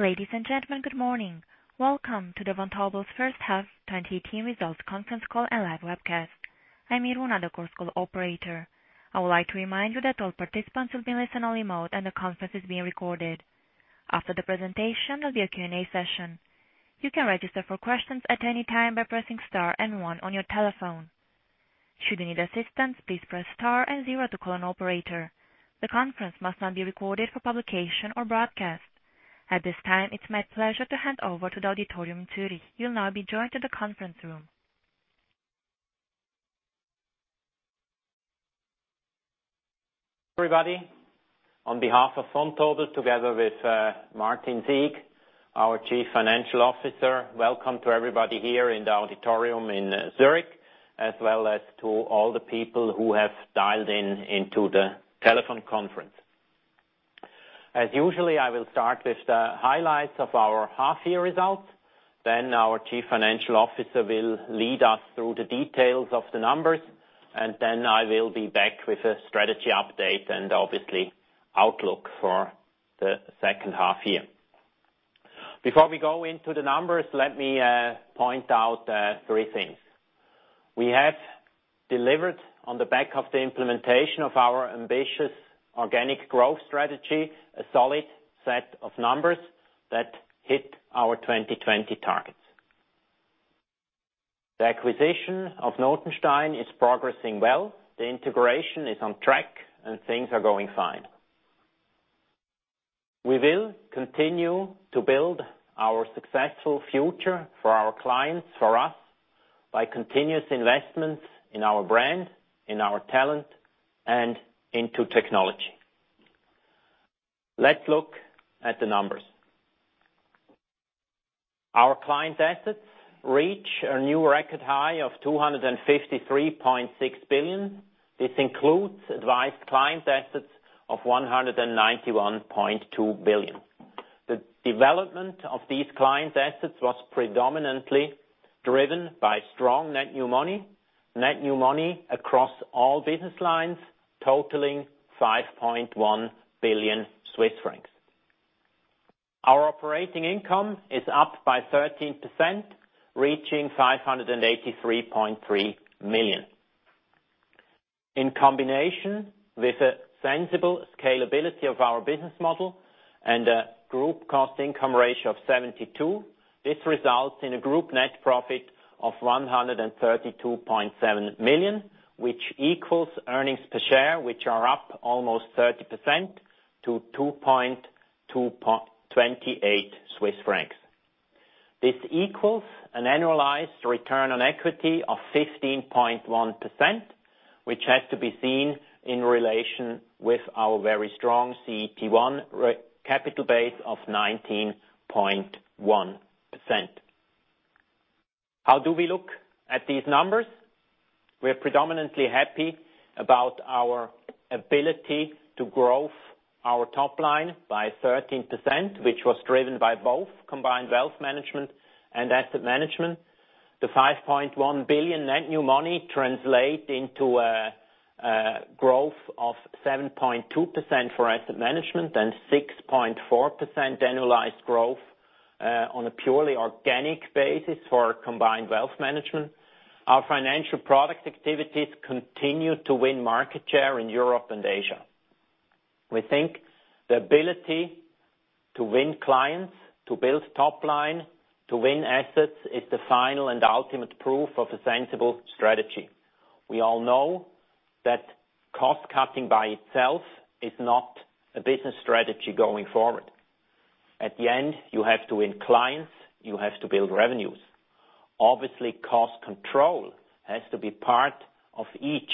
Ladies and gentlemen, good morning. Welcome to Vontobel's first half 2018 results conference call and live webcast. I'm Irina, the Chorus Call Operator. I would like to remind you that all participants will be listen-only mode. The conference is being recorded. After the presentation, there will be a Q&A session. You can register for questions at any time by pressing star 1 on your telephone. Should you need assistance, please press star 0 to call an operator. The conference must not be recorded for publication or broadcast. At this time, it's my pleasure to hand over to the auditorium in Zurich. You will now be joined in the conference room. Everybody, on behalf of Vontobel, together with Martin Sieg, our Chief Financial Officer, welcome to everybody here in the auditorium in Zurich, as well as to all the people who have dialed in to the telephone conference. As usual, I will start with the highlights of our half year results. Our Chief Financial Officer will lead us through the details of the numbers. I will be back with a strategy update and obviously outlook for the second half year. Before we go into the numbers, let me point out three things. We have delivered on the back of the implementation of our ambitious organic growth strategy, a solid set of numbers that hit our 2020 targets. The acquisition of Notenstein is progressing well. The integration is on track. Things are going fine. We will continue to build our successful future for our clients, for us, by continuous investments in our brand, in our talent, and into technology. Let's look at the numbers. Our client assets reach a new record high of 253.6 billion. This includes advised client assets of 191.2 billion. The development of these client assets was predominantly driven by strong net new money. Net new money across all business lines totaling 5.1 billion Swiss francs. Our operating income is up by 13%, reaching 583.3 million. In combination with a sensible scalability of our business model and a group cost income ratio of 72%, this results in a group net profit of 132.7 million, which equals earnings per share, which are up almost 30% to 2.28 Swiss francs. This equals an annualized return on equity of 15.1%, which has to be seen in relation with our very strong CET1 capital base of 19.1%. How do we look at these numbers? We are predominantly happy about our ability to grow our top line by 13%, which was driven by both combined wealth management and asset management. The 5.1 billion net new money translate into a growth of 7.2% for asset management and 6.4% annualized growth, on a purely organic basis for combined wealth management. Our financial product activities continue to win market share in Europe and Asia. We think the ability to win clients, to build top line, to win assets is the final and ultimate proof of a sensible strategy. We all know that cost cutting by itself is not a business strategy going forward. At the end, you have to win clients, you have to build revenues. Obviously, cost control has to be part of each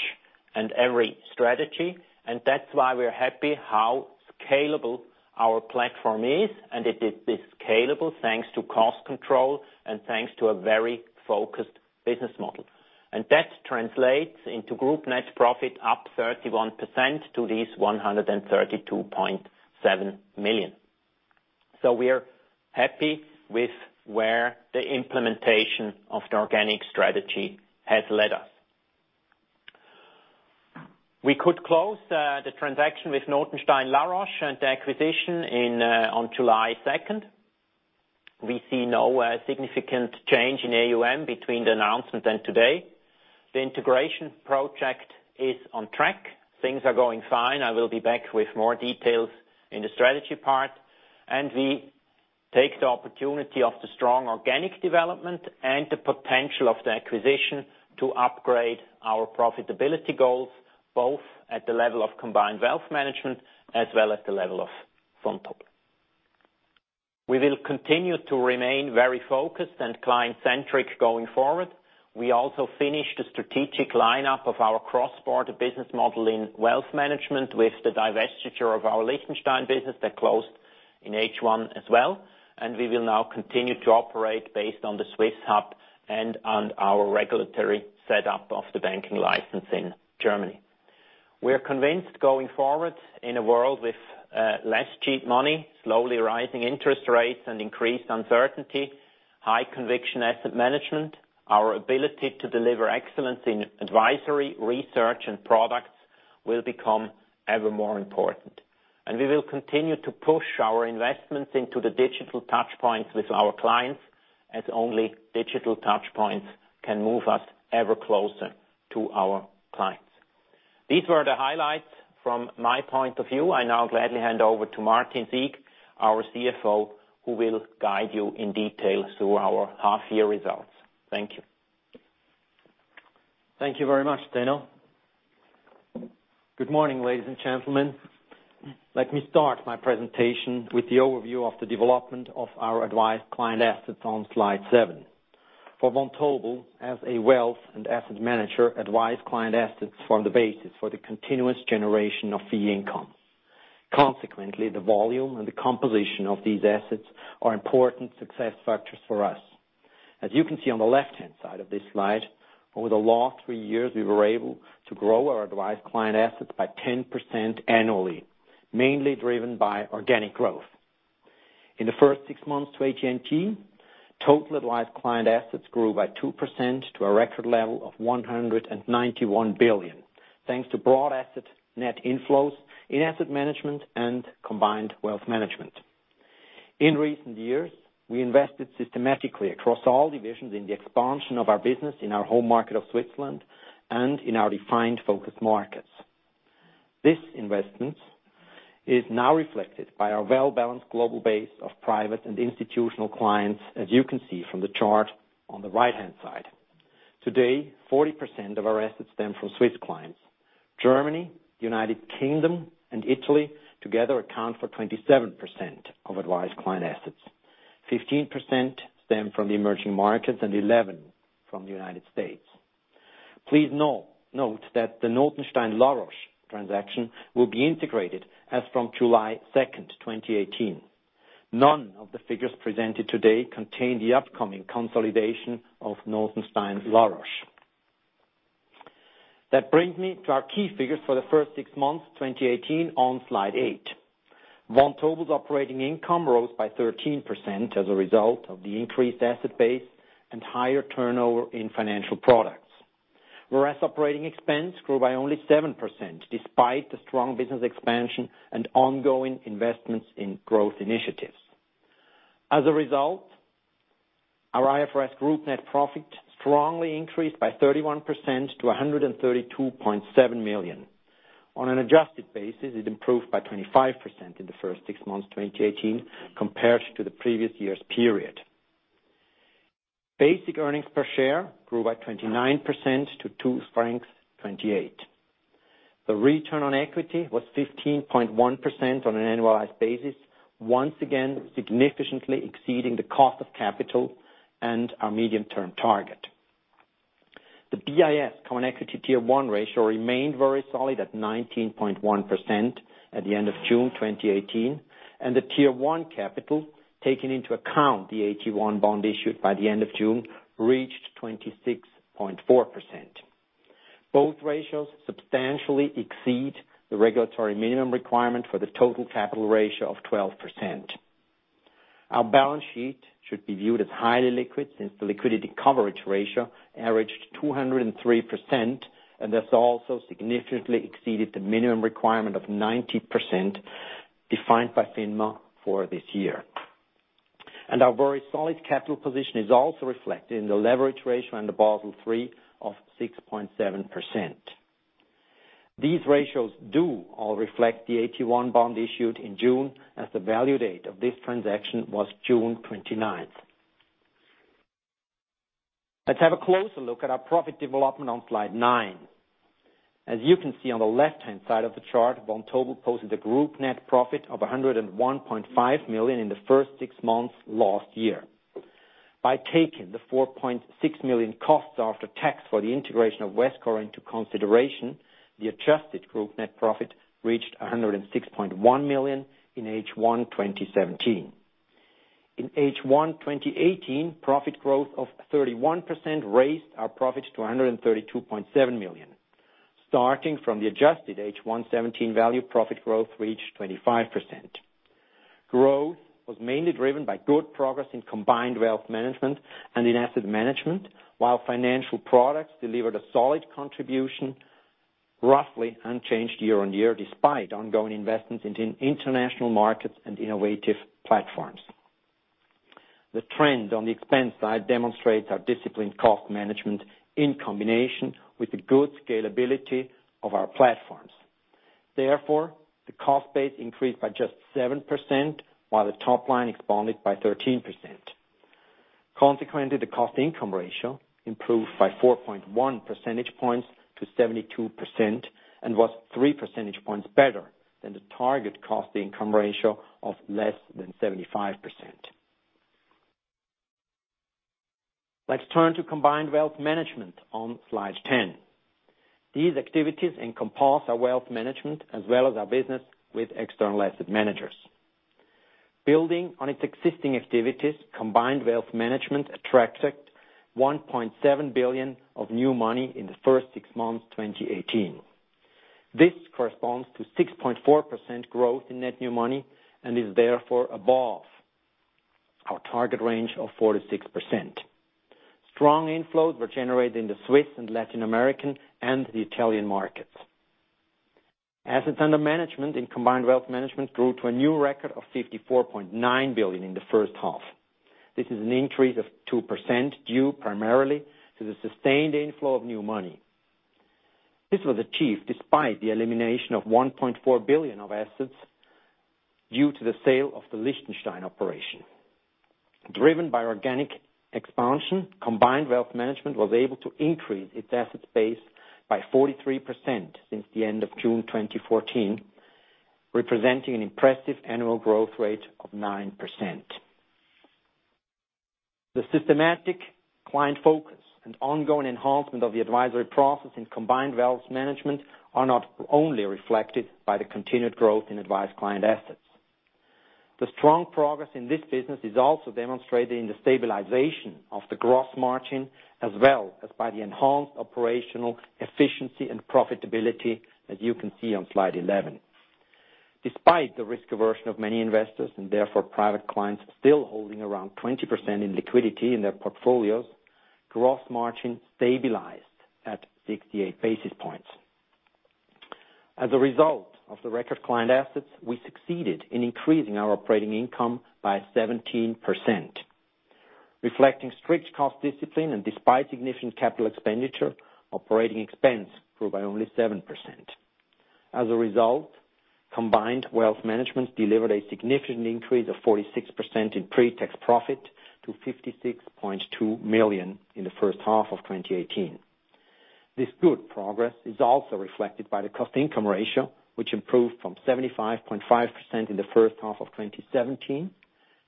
and every strategy, that's why we're happy how scalable our platform is. It is this scalable thanks to cost control and thanks to a very focused business model. That translates into group net profit up 31% to this 132.7 million. We are happy with where the implementation of the organic strategy has led us. We could close the transaction with Notenstein La Roche and the acquisition on July 2nd. We see no significant change in AUM between the announcement and today. The integration project is on track. Things are going fine. I will be back with more details in the strategy part. We take the opportunity of the strong organic development and the potential of the acquisition to upgrade our profitability goals, both at the level of combined wealth management as well as the level of Vontobel. We will continue to remain very focused and client-centric going forward. We also finished a strategic lineup of our cross-border business model in wealth management with the divestiture of our Liechtenstein business that closed in H1 as well. We will now continue to operate based on the Swiss hub and on our regulatory setup of the banking license in Germany. We're convinced going forward in a world with less cheap money, slowly rising interest rates, and increased uncertainty. High conviction asset management, our ability to deliver excellence in advisory, research, and products will become ever more important. We will continue to push our investments into the digital touchpoints with our clients, as only digital touchpoints can move us ever closer to our clients. These were the highlights from my point of view. I now gladly hand over to Martin Sieg, our CFO, who will guide you in detail through our half year results. Thank you. Thank you very much, Zeno. Good morning, ladies and gentlemen. Let me start my presentation with the overview of the development of our advised client assets on slide seven. For Vontobel, as a wealth and asset manager, advised client assets form the basis for the continuous generation of fee income. Consequently, the volume and the composition of these assets are important success factors for us. As you can see on the left-hand side of this slide, over the last three years, we were able to grow our advised client assets by 10% annually, mainly driven by organic growth. In the first six months to 2018, total advised client assets grew by 2% to a record level of 191 billion, thanks to broad asset net inflows in asset management and combined wealth management. In recent years, we invested systematically across all divisions in the expansion of our business in our home market of Switzerland and in our refined focus markets. This investment is now reflected by our well-balanced global base of private and institutional clients, as you can see from the chart on the right-hand side. Today, 40% of our assets stem from Swiss clients. Germany, United Kingdom, and Italy together account for 27% of advised client assets. 15% stem from the emerging markets and 11% from the United States. Please note that the Notenstein La Roche transaction will be integrated as from July 2nd, 2018. None of the figures presented today contain the upcoming consolidation of Notenstein La Roche. That brings me to our key figures for the first six months 2018 on slide eight. Vontobel's operating income rose by 13% as a result of the increased asset base and higher turnover in financial products. Whereas operating expense grew by only 7%, despite the strong business expansion and ongoing investments in growth initiatives. As a result, our IFRS group net profit strongly increased by 31% to 132.7 million. On an adjusted basis, it improved by 25% in the first six months 2018 compared to the previous year's period. Basic earnings per share grew by 29% to 2.28 francs. The return on equity was 15.1% on an annualized basis, once again, significantly exceeding the cost of capital and our medium-term target. The BIS common equity Tier 1 ratio remained very solid at 19.1% at the end of June 2018, and the Tier 1 capital, taking into account the AT1 bond issued by the end of June, reached 26.4%. Both ratios substantially exceed the regulatory minimum requirement for the total capital ratio of 12%. Our balance sheet should be viewed as highly liquid, since the liquidity coverage ratio averaged 203%, and this also significantly exceeded the minimum requirement of 90% defined by FINMA for this year. Our very solid capital position is also reflected in the leverage ratio and the Basel III of 6.7%. These ratios do all reflect the AT1 bond issued in June, as the value date of this transaction was June 29th. Let's have a closer look at our profit development on slide nine. As you can see on the left-hand side of the chart, Vontobel posted a group net profit of 101.5 million in the first six months last year. By taking the 4.6 million cost after tax for the integration of Vescore into consideration, the adjusted group net profit reached 106.1 million in H1 2017. In H1 2018, profit growth of 31% raised our profit to 132.7 million. Starting from the adjusted H1 2017 value, profit growth reached 25%. Growth was mainly driven by good progress in combined wealth management and in asset management, while financial products delivered a solid contribution, roughly unchanged year on year, despite ongoing investments into international markets and innovative platforms. The trend on the expense side demonstrates our disciplined cost management in combination with the good scalability of our platforms. Therefore, the cost base increased by just 7% while the top line expanded by 13%. Consequently, the cost income ratio improved by 4.1 percentage points to 72% and was three percentage points better than the target cost income ratio of less than 75%. Let's turn to combined wealth management on slide 10. These activities encompass our wealth management as well as our business with external asset managers. Building on its existing activities, combined wealth management attracted 1.7 billion of new money in the first six months 2018. This corresponds to 6.4% growth in net new money and is therefore above our target range of 4%-6%. Strong inflows were generated in the Swiss and Latin American, and the Italian markets. Assets under management in combined wealth management grew to a new record of 54.9 billion in the first half. This is an increase of 2% due primarily to the sustained inflow of new money. This was achieved despite the elimination of 1.4 billion of assets due to the sale of the Liechtenstein operation. Driven by organic expansion, combined wealth management was able to increase its assets base by 43% since the end of June 2014, representing an impressive annual growth rate of 9%. The systematic client focus and ongoing enhancement of the advisory process in combined wealth management are not only reflected by the continued growth in advised client assets. The strong progress in this business is also demonstrated in the stabilization of the gross margin, as well as by the enhanced operational efficiency and profitability, as you can see on slide 11. Despite the risk aversion of many investors, and therefore private clients still holding around 20% in liquidity in their portfolios, gross margin stabilized at 68 basis points. As a result of the record client assets, we succeeded in increasing our operating income by 17%. Reflecting strict cost discipline and despite significant capital expenditure, operating expense grew by only 7%. As a result, combined wealth management delivered a significant increase of 46% in pre-tax profit to 56.2 million in the first half of 2018. This good progress is also reflected by the cost income ratio, which improved from 75.5% in the first half of 2017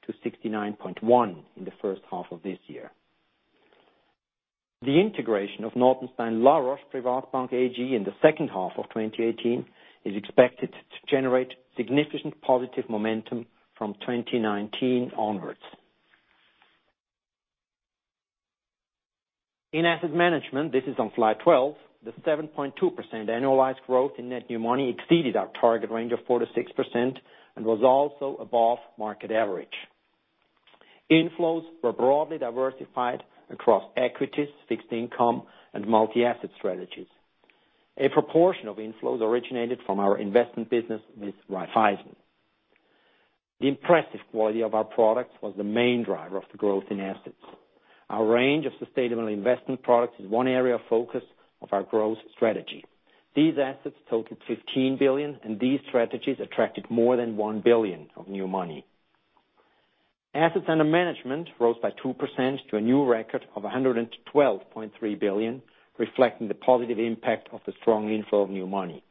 to 69.1% in the first half of this year. The integration of Notenstein La Roche Privatbank AG in the second half of 2018 is expected to generate significant positive momentum from 2019 onwards. In asset management, this is on slide 12, the 7.2% annualized growth in net new money exceeded our target range of 4%-6% and was also above market average. Inflows were broadly diversified across equities, fixed income, and multi-asset strategies. A proportion of inflows originated from our investment business with Raiffeisen. The impressive quality of our products was the main driver of the growth in assets. Our range of sustainable investment products is one area of focus of our growth strategy. These assets totaled 15 billion, and these strategies attracted more than 1 billion of new money. Assets under management rose by 2% to a new record of 112.3 billion, reflecting the positive impact of the strong inflow of new money.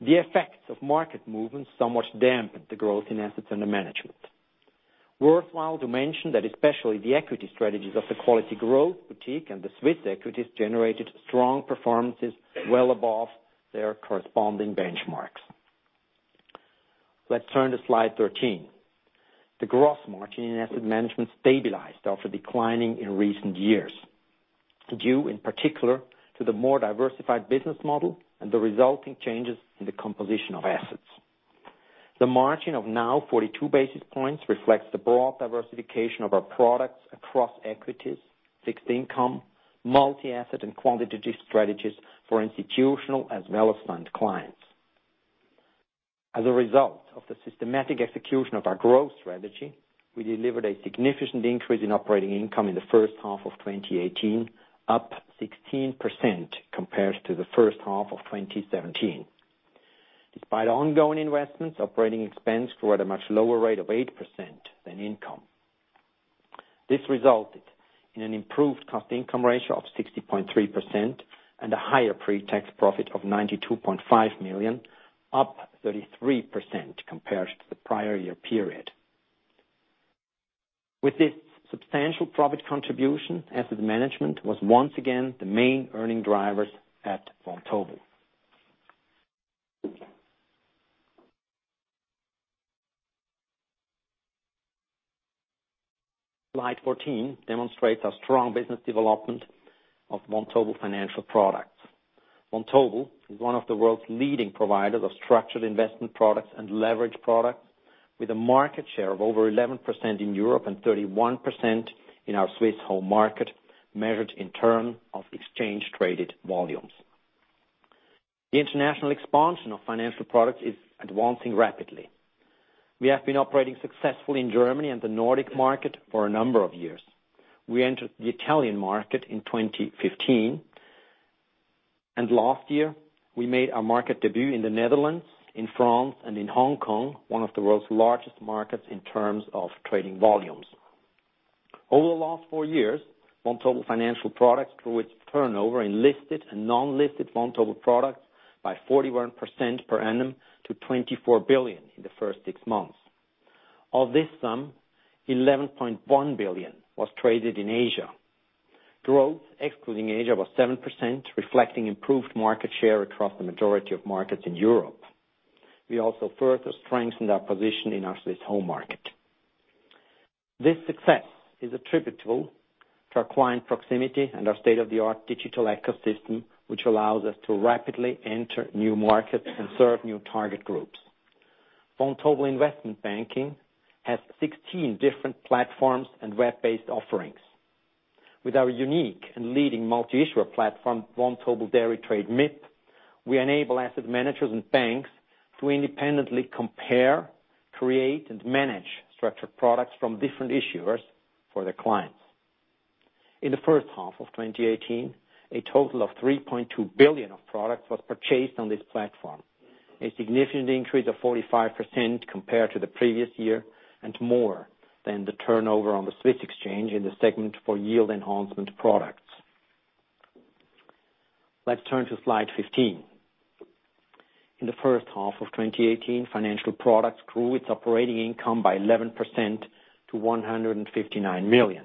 The effects of market movements somewhat dampened the growth in assets under management. Worthwhile to mention that especially the equity strategies of the quality growth boutique and the Swiss equities generated strong performances well above their corresponding benchmarks. Let's turn to slide 13. The gross margin in asset management stabilized after declining in recent years, due in particular to the more diversified business model and the resulting changes in the composition of assets. The margin of now 42 basis points reflects the broad diversification of our products across equities, fixed income, multi-asset, and quantitative strategies for institutional as well as fund clients. As a result of the systematic execution of our growth strategy, we delivered a significant increase in operating income in the first half of 2018, up 16% compared to the first half of 2017. Despite ongoing investments, operating expense grew at a much lower rate of 8% than income. This resulted in an improved cost-income ratio of 60.3% and a higher pre-tax profit of 92.5 million, up 33% compared to the prior year period. With this substantial profit contribution, asset management was once again the main earning drivers at Vontobel. Slide 14 demonstrates our strong business development of Vontobel Financial Products. Vontobel is one of the world's leading providers of structured investment products and leverage products with a market share of over 11% in Europe and 31% in our Swiss home market, measured in terms of exchange traded volumes. The international expansion of Financial Products is advancing rapidly. We have been operating successfully in Germany and the Nordic market for a number of years. We entered the Italian market in 2015, and last year we made our market debut in the Netherlands, in France, and in Hong Kong, one of the world's largest markets in terms of trading volumes. Over the last four years, Vontobel Financial Products grew its turnover in listed and non-listed Vontobel products by 41% per annum to 24 billion in the first six months. Of this sum, 11.1 billion was traded in Asia. Growth, excluding Asia, was 7%, reflecting improved market share across the majority of markets in Europe. We also further strengthened our position in our Swiss home market. This success is attributable to our client proximity and our state-of-the-art digital ecosystem, which allows us to rapidly enter new markets and serve new target groups. Vontobel Investment Banking has 16 different platforms and web-based offerings. With our unique and leading multi-issuer platform, Vontobel deritrade MiT, we enable asset managers and banks to independently compare, create, and manage structured products from different issuers for their clients. In the first half of 2018, a total of 3.2 billion of products was purchased on this platform, a significant increase of 45% compared to the previous year, and more than the turnover on the Swiss Exchange in the segment for yield enhancement products. Let's turn to slide 15. In the first half of 2018, Financial Products grew its operating income by 11% to 159 million.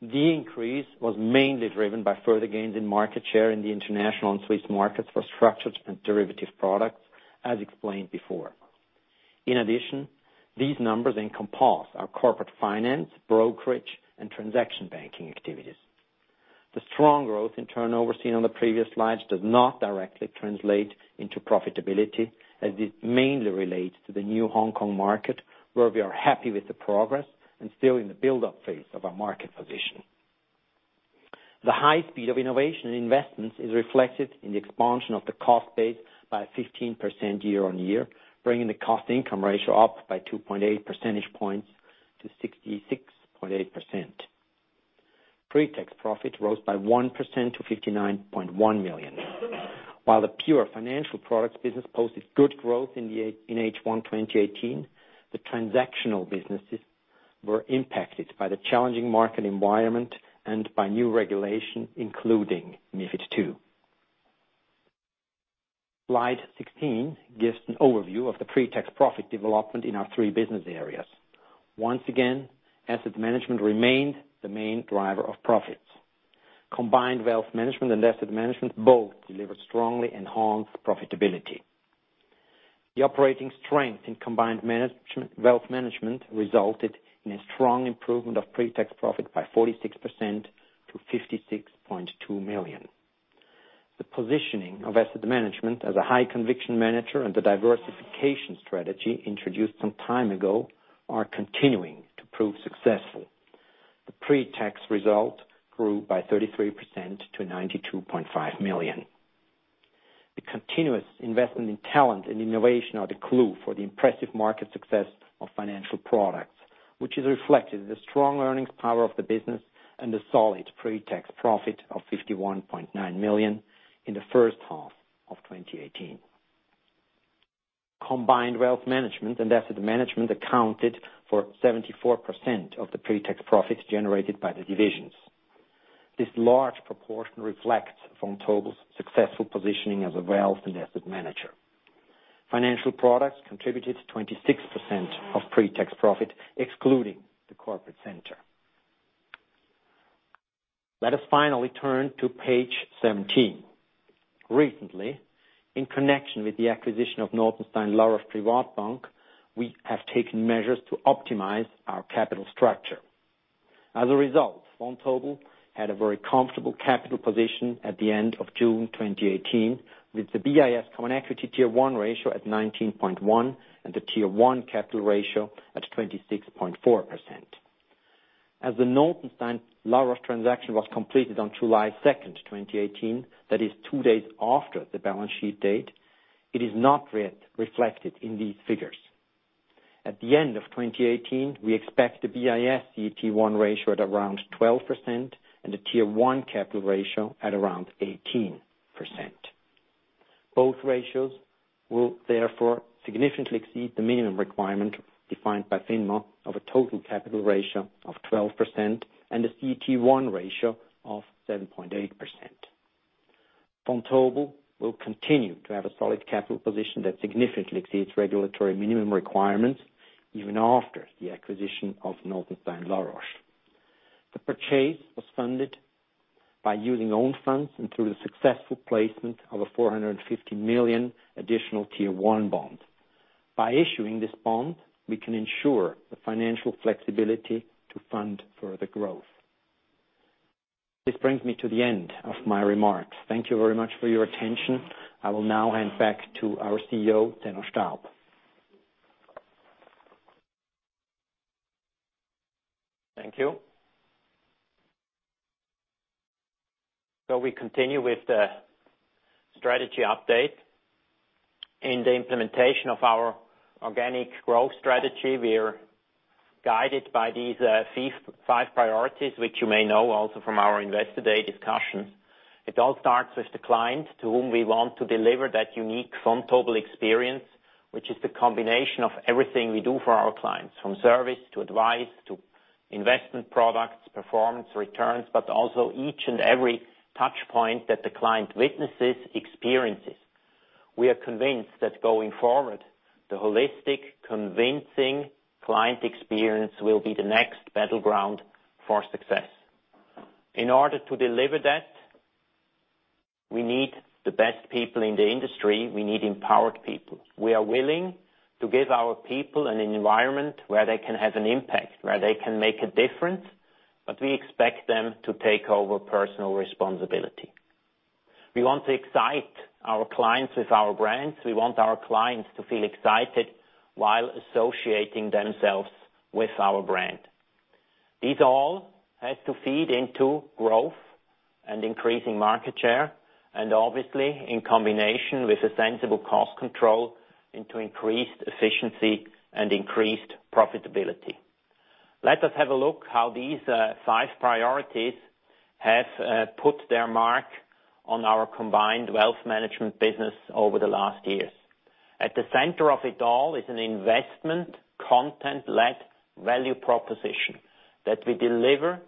The increase was mainly driven by further gains in market share in the international and Swiss markets for structured and derivative products, as explained before. In addition, these numbers encompass our corporate finance, brokerage, and transaction banking activities. The strong growth in turnover seen on the previous slides does not directly translate into profitability, as it mainly relates to the new Hong Kong market, where we are happy with the progress and still in the build-up phase of our market position. The high speed of innovation and investments is reflected in the expansion of the cost base by 15% year-on-year, bringing the cost-income ratio up by 2.8 percentage points to 66.8%. Pre-tax profit rose by 1% to 59.1 million. While the pure Financial Products business posted good growth in H1 2018, the transactional businesses were impacted by the challenging market environment and by new regulation, including MiFID II. Slide 16 gives an overview of the pre-tax profit development in our three business areas. Once again, Asset Management remained the main driver of profits. Combined Wealth Management and Asset Management both delivered strongly enhanced profitability. The operating strength in combined Wealth Management resulted in a strong improvement of pre-tax profit by 46% to 56.2 million. The positioning of Asset Management as a high conviction manager and the diversification strategy introduced some time ago are continuing to prove successful. The pre-tax result grew by 33% to 92.5 million. The continuous investment in talent and innovation are the clue for the impressive market success of Financial Products, which is reflected in the strong earnings power of the business and the solid pre-tax profit of 51.9 million in the first half of 2018. Combined Wealth Management and Asset Management accounted for 74% of the pre-tax profits generated by the divisions. This large proportion reflects Vontobel's successful positioning as a wealth and asset manager. Financial Products contributed to 26% of pre-tax profit, excluding the corporate center. Let us finally turn to page 17. Recently, in connection with the acquisition of Notenstein La Roche Privatbank, we have taken measures to optimize our capital structure. As a result, Vontobel had a very comfortable capital position at the end of June 2018, with the BIS common equity Tier 1 ratio at 19.1% and the Tier 1 capital ratio at 26.4%. As the Notenstein La Roche transaction was completed on July 2nd, 2018, that is two days after the balance sheet date, it is not reflected in these figures. At the end of 2018, we expect the BIS CET1 ratio at around 12% and the Tier 1 capital ratio at around 18%. Both ratios will therefore significantly exceed the minimum requirement defined by FINMA of a total capital ratio of 12% and a CET1 ratio of 7.8%. Vontobel will continue to have a solid capital position that significantly exceeds regulatory minimum requirements even after the acquisition of Notenstein La Roche. The purchase was funded by using own funds and through the successful placement of a 450 million additional Tier 1 bond. By issuing this bond, we can ensure the financial flexibility to fund further growth. This brings me to the end of my remarks. Thank you very much for your attention. I will now hand back to our CEO, Zeno Staub. Thank you. We continue with the strategy update. In the implementation of our organic growth strategy, we are guided by these five priorities, which you may know also from our Investor Day discussions. It all starts with the client, to whom we want to deliver that unique Vontobel experience, which is the combination of everything we do for our clients, from service to advice to investment products, performance, returns, but also each and every touchpoint that the client witnesses, experiences. We are convinced that going forward, the holistic, convincing client experience will be the next battleground for success. In order to deliver that, we need the best people in the industry. We need empowered people. We are willing to give our people an environment where they can have an impact, where they can make a difference, but we expect them to take over personal responsibility. We want to excite our clients with our brands. We want our clients to feel excited while associating themselves with our brand. These all had to feed into growth and increasing market share, and obviously in combination with a sensible cost control into increased efficiency and increased profitability. Let us have a look how these five priorities have put their mark on our combined wealth management business over the last years. At the center of it all is an investment content-led value proposition that we deliver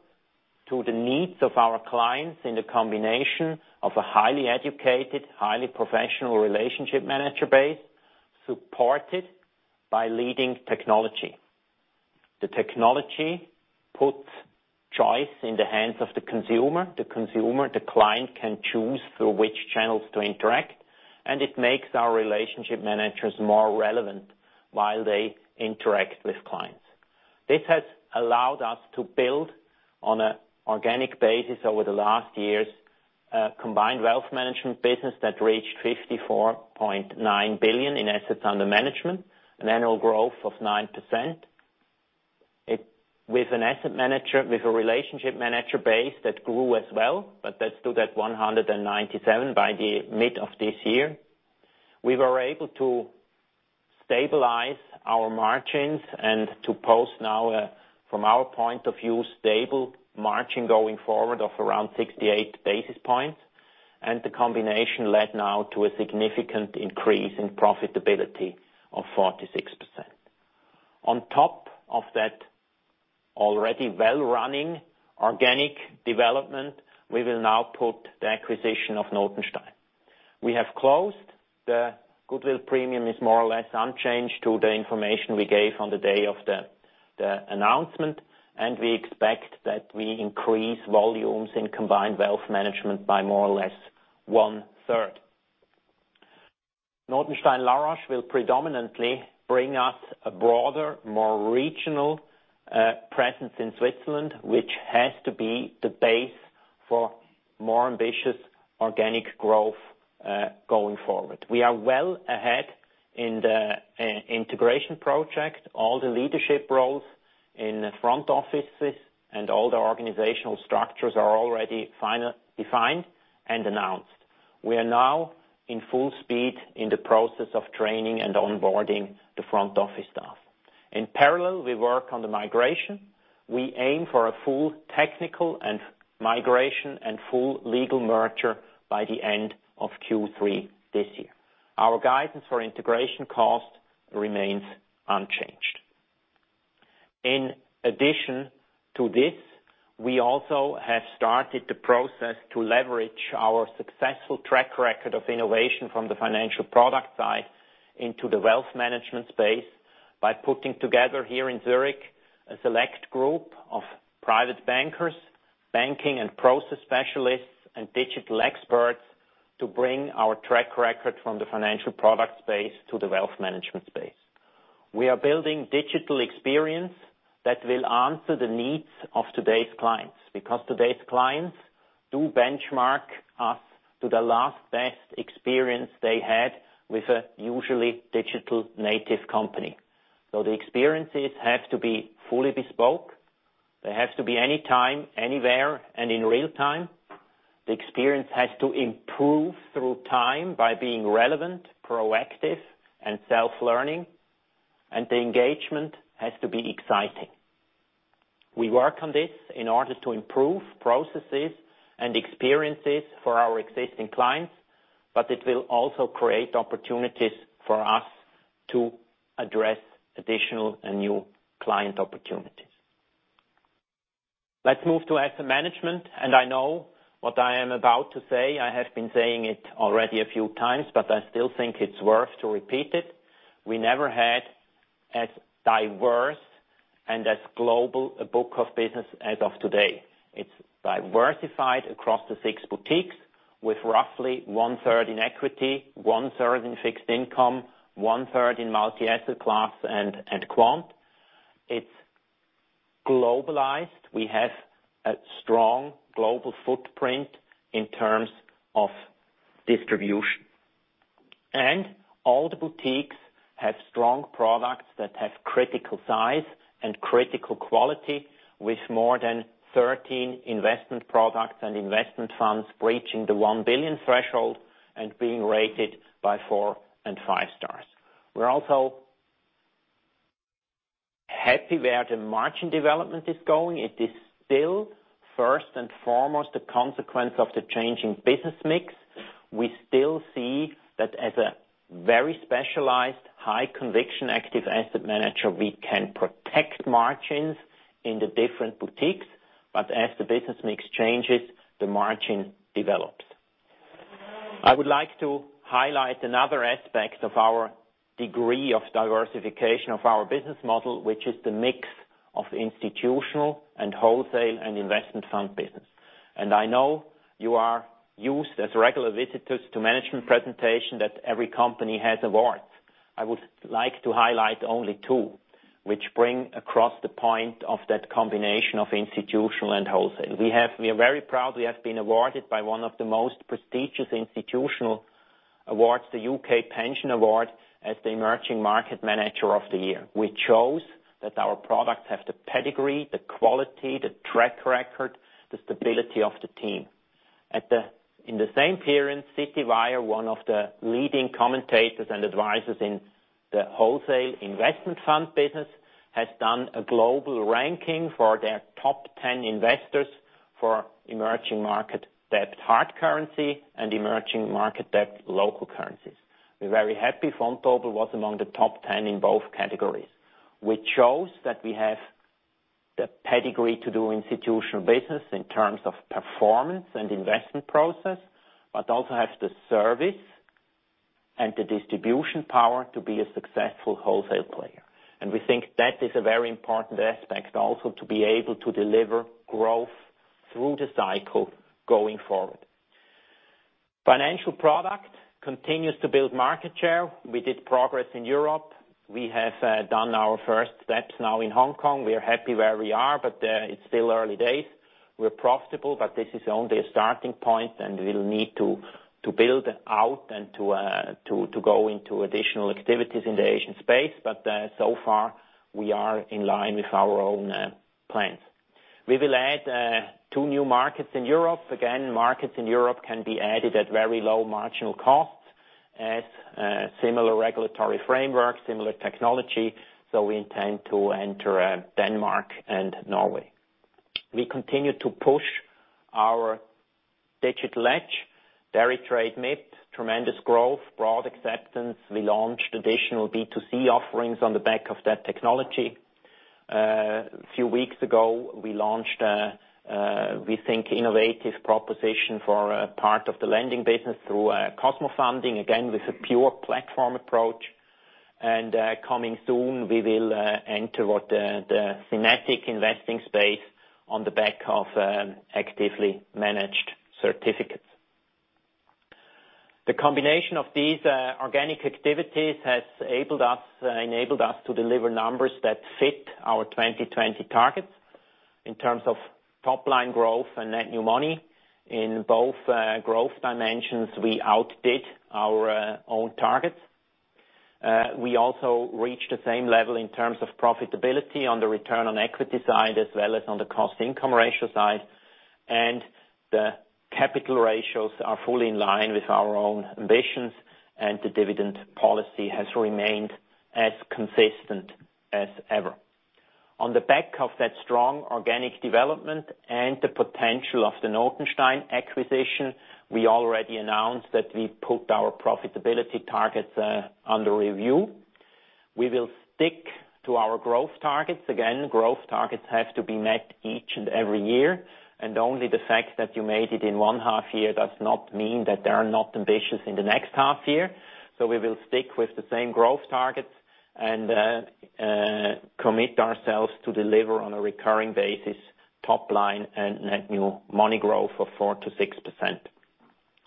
to the needs of our clients in the combination of a highly educated, highly professional relationship manager base, supported by leading technology. The technology puts choice in the hands of the consumer. The consumer, the client, can choose through which channels to interact, and it makes our relationship managers more relevant while they interact with clients. This has allowed us to build on an organic basis over the last years, a combined wealth management business that reached 54.9 billion in assets under management, an annual growth of 9%. With a relationship manager base that grew as well, but that stood at 197 by the mid of this year. We were able to stabilize our margins and to post now, from our point of view, stable margin going forward of around 68 basis points, and the combination led now to a significant increase in profitability of 46%. On top of that already well-running organic development, we will now put the acquisition of Notenstein. We have closed. The goodwill premium is more or less unchanged to the information we gave on the day of the announcement, and we expect that we increase volumes in combined wealth management by more or less one-third. Notenstein La Roche will predominantly bring us a broader, more regional presence in Switzerland, which has to be the base for more ambitious organic growth going forward. We are well ahead in the integration project. All the leadership roles in the front offices and all the organizational structures are already defined and announced. We are now in full speed in the process of training and onboarding the front office staff. In parallel, we work on the migration. We aim for a full technical and migration and full legal merger by the end of Q3 this year. Our guidance for integration cost remains unchanged. In addition to this, we also have started the process to leverage our successful track record of innovation from the financial product side into the wealth management space by putting together here in Zurich, a select group of private bankers, banking and process specialists, and digital experts to bring our track record from the financial product space to the wealth management space. We are building digital experience that will answer the needs of today's clients, because today's clients do benchmark us to the last best experience they had with a usually digital native company. The experiences have to be fully bespoke. They have to be anytime, anywhere, and in real-time. The experience has to improve through time by being relevant, proactive and self-learning. The engagement has to be exciting. We work on this in order to improve processes and experiences for our existing clients, but it will also create opportunities for us to address additional and new client opportunities. Let's move to asset management. I know what I am about to say, I have been saying it already a few times, but I still think it's worth to repeat it. We never had as diverse and as global a book of business as of today. It's diversified across the six boutiques with roughly one-third in equity, one-third in fixed income, one-third in multi-asset class and quant. It's globalized. We have a strong global footprint in terms of distribution. All the boutiques have strong products that have critical size and critical quality with more than 13 investment products and investment funds breaching the one billion threshold and being rated by four and five stars. We're also happy where the margin development is going. It is still first and foremost a consequence of the changing business mix. We still see that as a very specialized, high conviction active asset manager, we can protect margins in the different boutiques, but as the business mix changes, the margin develops. I would like to highlight another aspect of our degree of diversification of our business model, which is the mix of institutional and wholesale and investment fund business. I know you are used as regular visitors to management presentation that every company has awards. I would like to highlight only two, which bring across the point of that combination of institutional and wholesale. We're very proud we have been awarded by one of the most prestigious institutional awards, the UK Pensions Award, as the Emerging Market Manager of the Year, which shows that our products have the pedigree, the quality, the track record, the stability of the team. In the same period, Citywire, one of the leading commentators and advisors in the wholesale investment fund business, has done a global ranking for their top 10 investors for emerging market debt hard currency and emerging market debt local currencies. We're very happy Vontobel was among the top 10 in both categories, which shows that we have the pedigree to do institutional business in terms of performance and investment process, but also have the service and the distribution power to be a successful wholesale player. We think that is a very important aspect also to be able to deliver growth through the cycle going forward. Financial product continues to build market share. We did progress in Europe. We have done our first steps now in Hong Kong. It's still early days. We're profitable, but this is only a starting point, and we will need to build out and to go into additional activities in the Asian space. So far, we are in line with our own plans. We will add two new markets in Europe. Markets in Europe can be added at very low marginal costs as similar regulatory framework, similar technology. We intend to enter Denmark and Norway. We continue to push our digital edge. deritrade MiT, tremendous growth, broad acceptance. We launched additional B2C offerings on the back of that technology. A few weeks ago, we launched, we think, innovative proposition for part of the lending business through Cosmofunding, again, with a pure platform approach. Coming soon, we will enter what the thematic investing space on the back of actively managed certificates. The combination of these organic activities has enabled us to deliver numbers that fit our 2020 targets in terms of top-line growth and net new money. In both growth dimensions, we outdid our own targets. We also reached the same level in terms of profitability on the return on equity side, as well as on the cost-income ratio side. The capital ratios are fully in line with our own ambitions, and the dividend policy has remained as consistent as ever. On the back of that strong organic development and the potential of the Notenstein acquisition, we already announced that we put our profitability targets under review. We will stick to our growth targets. Growth targets have to be met each and every year, and only the fact that you made it in one half year does not mean that they are not ambitious in the next half year. We will stick with the same growth targets and commit ourselves to deliver on a recurring basis top line and net new money growth of 4%-6%.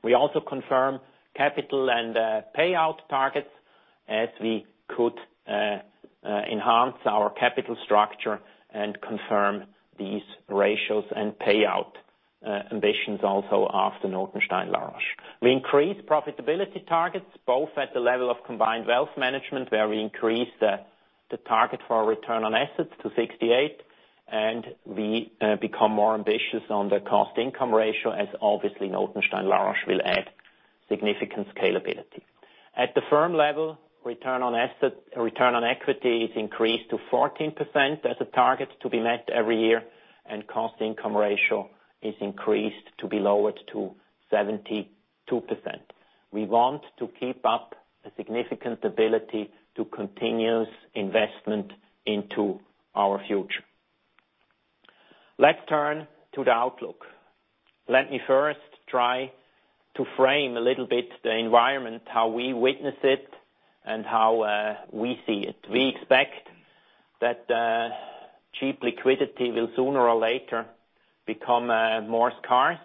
We also confirm capital and payout targets as we could enhance our capital structure and confirm these ratios and payout ambitions also after Notenstein La Roche. We increase profitability targets both at the level of combined wealth management, where we increase the target for our return on assets to 68, and we become more ambitious on the cost-income ratio as obviously Notenstein La Roche will add significant scalability. At the firm level, return on equity is increased to 14% as a target to be met every year, cost-income ratio is increased to be lowered to 72%. We want to keep up a significant ability to continuous investment into our future. Let's turn to the outlook. Let me first try to frame a little bit the environment, how we witness it and how we see it. We expect that cheap liquidity will sooner or later become more scarce.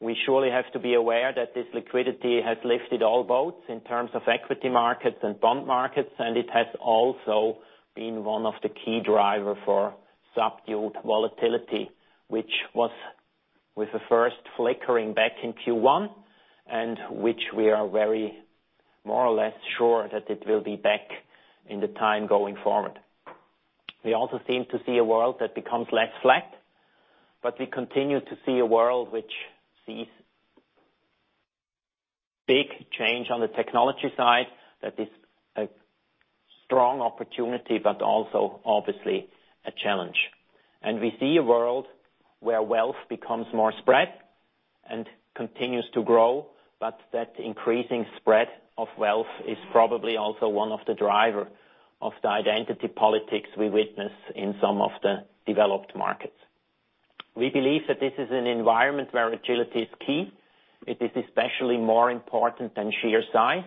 We surely have to be aware that this liquidity has lifted all boats in terms of equity markets and bond markets. It has also been one of the key driver for subdued volatility, which was with the first flickering back in Q1, which we are very more or less sure that it will be back in the time going forward. We also seem to see a world that becomes less flat. We continue to see a world which sees big change on the technology side that is a strong opportunity, but also obviously a challenge. We see a world where wealth becomes more spread and continues to grow, but that increasing spread of wealth is probably also one of the driver of the identity politics we witness in some of the developed markets. We believe that this is an environment where agility is key. It is especially more important than sheer size.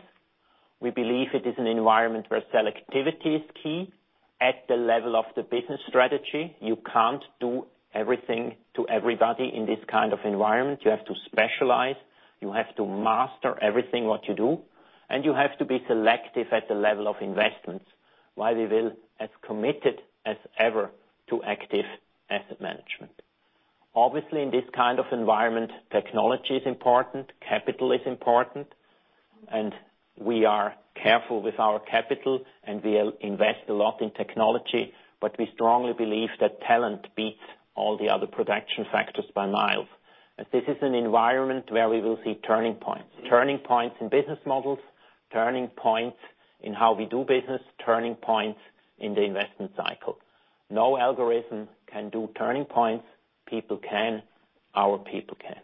We believe it is an environment where selectivity is key. At the level of the business strategy, you can't do everything to everybody in this kind of environment. You have to specialize, you have to master everything what you do. You have to be selective at the level of investments, while we will as committed as ever to active asset management. Obviously, in this kind of environment, technology is important, capital is important. We are careful with our capital, and we invest a lot in technology. We strongly believe that talent beats all the other production factors by miles. This is an environment where we will see turning points. Turning points in business models, turning points in how we do business, turning points in the investment cycle. No algorithm can do turning points, people can, our people can.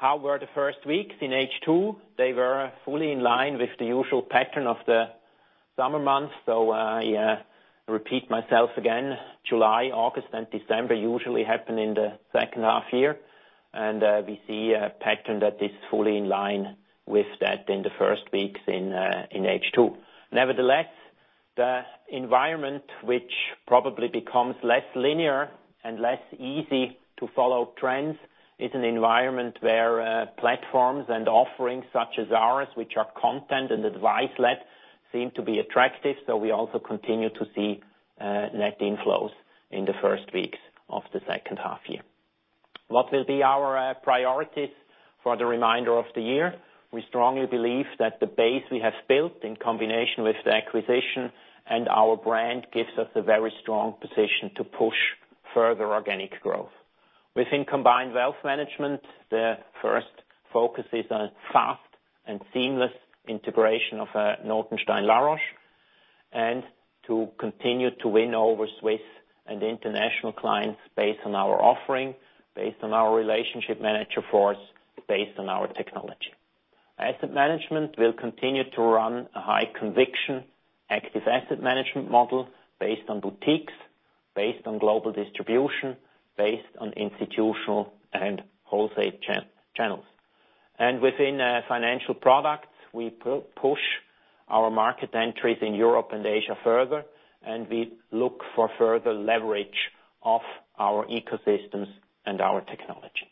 How were the first weeks in H2? They were fully in line with the usual pattern of the summer months. I repeat myself again, July, August, and December usually happen in the second half year. We see a pattern that is fully in line with that in the first weeks in H2. Nevertheless, the environment, which probably becomes less linear and less easy to follow trends, is an environment where platforms and offerings such as ours, which are content and advice-led, seem to be attractive. We also continue to see net inflows in the first weeks of the second half year. What will be our priorities for the remainder of the year? We strongly believe that the base we have built in combination with the acquisition and our brand gives us a very strong position to push further organic growth. Within combined wealth management, the first focus is on fast and seamless integration of Notenstein La Roche, and to continue to win over Swiss and international clients based on our offering, based on our relationship manager force, based on our technology. Asset management will continue to run a high conviction active asset management model based on boutiques, based on global distribution, based on institutional and wholesale channels. Within financial products, we push our market entries in Europe and Asia further. We look for further leverage of our ecosystems and our technology.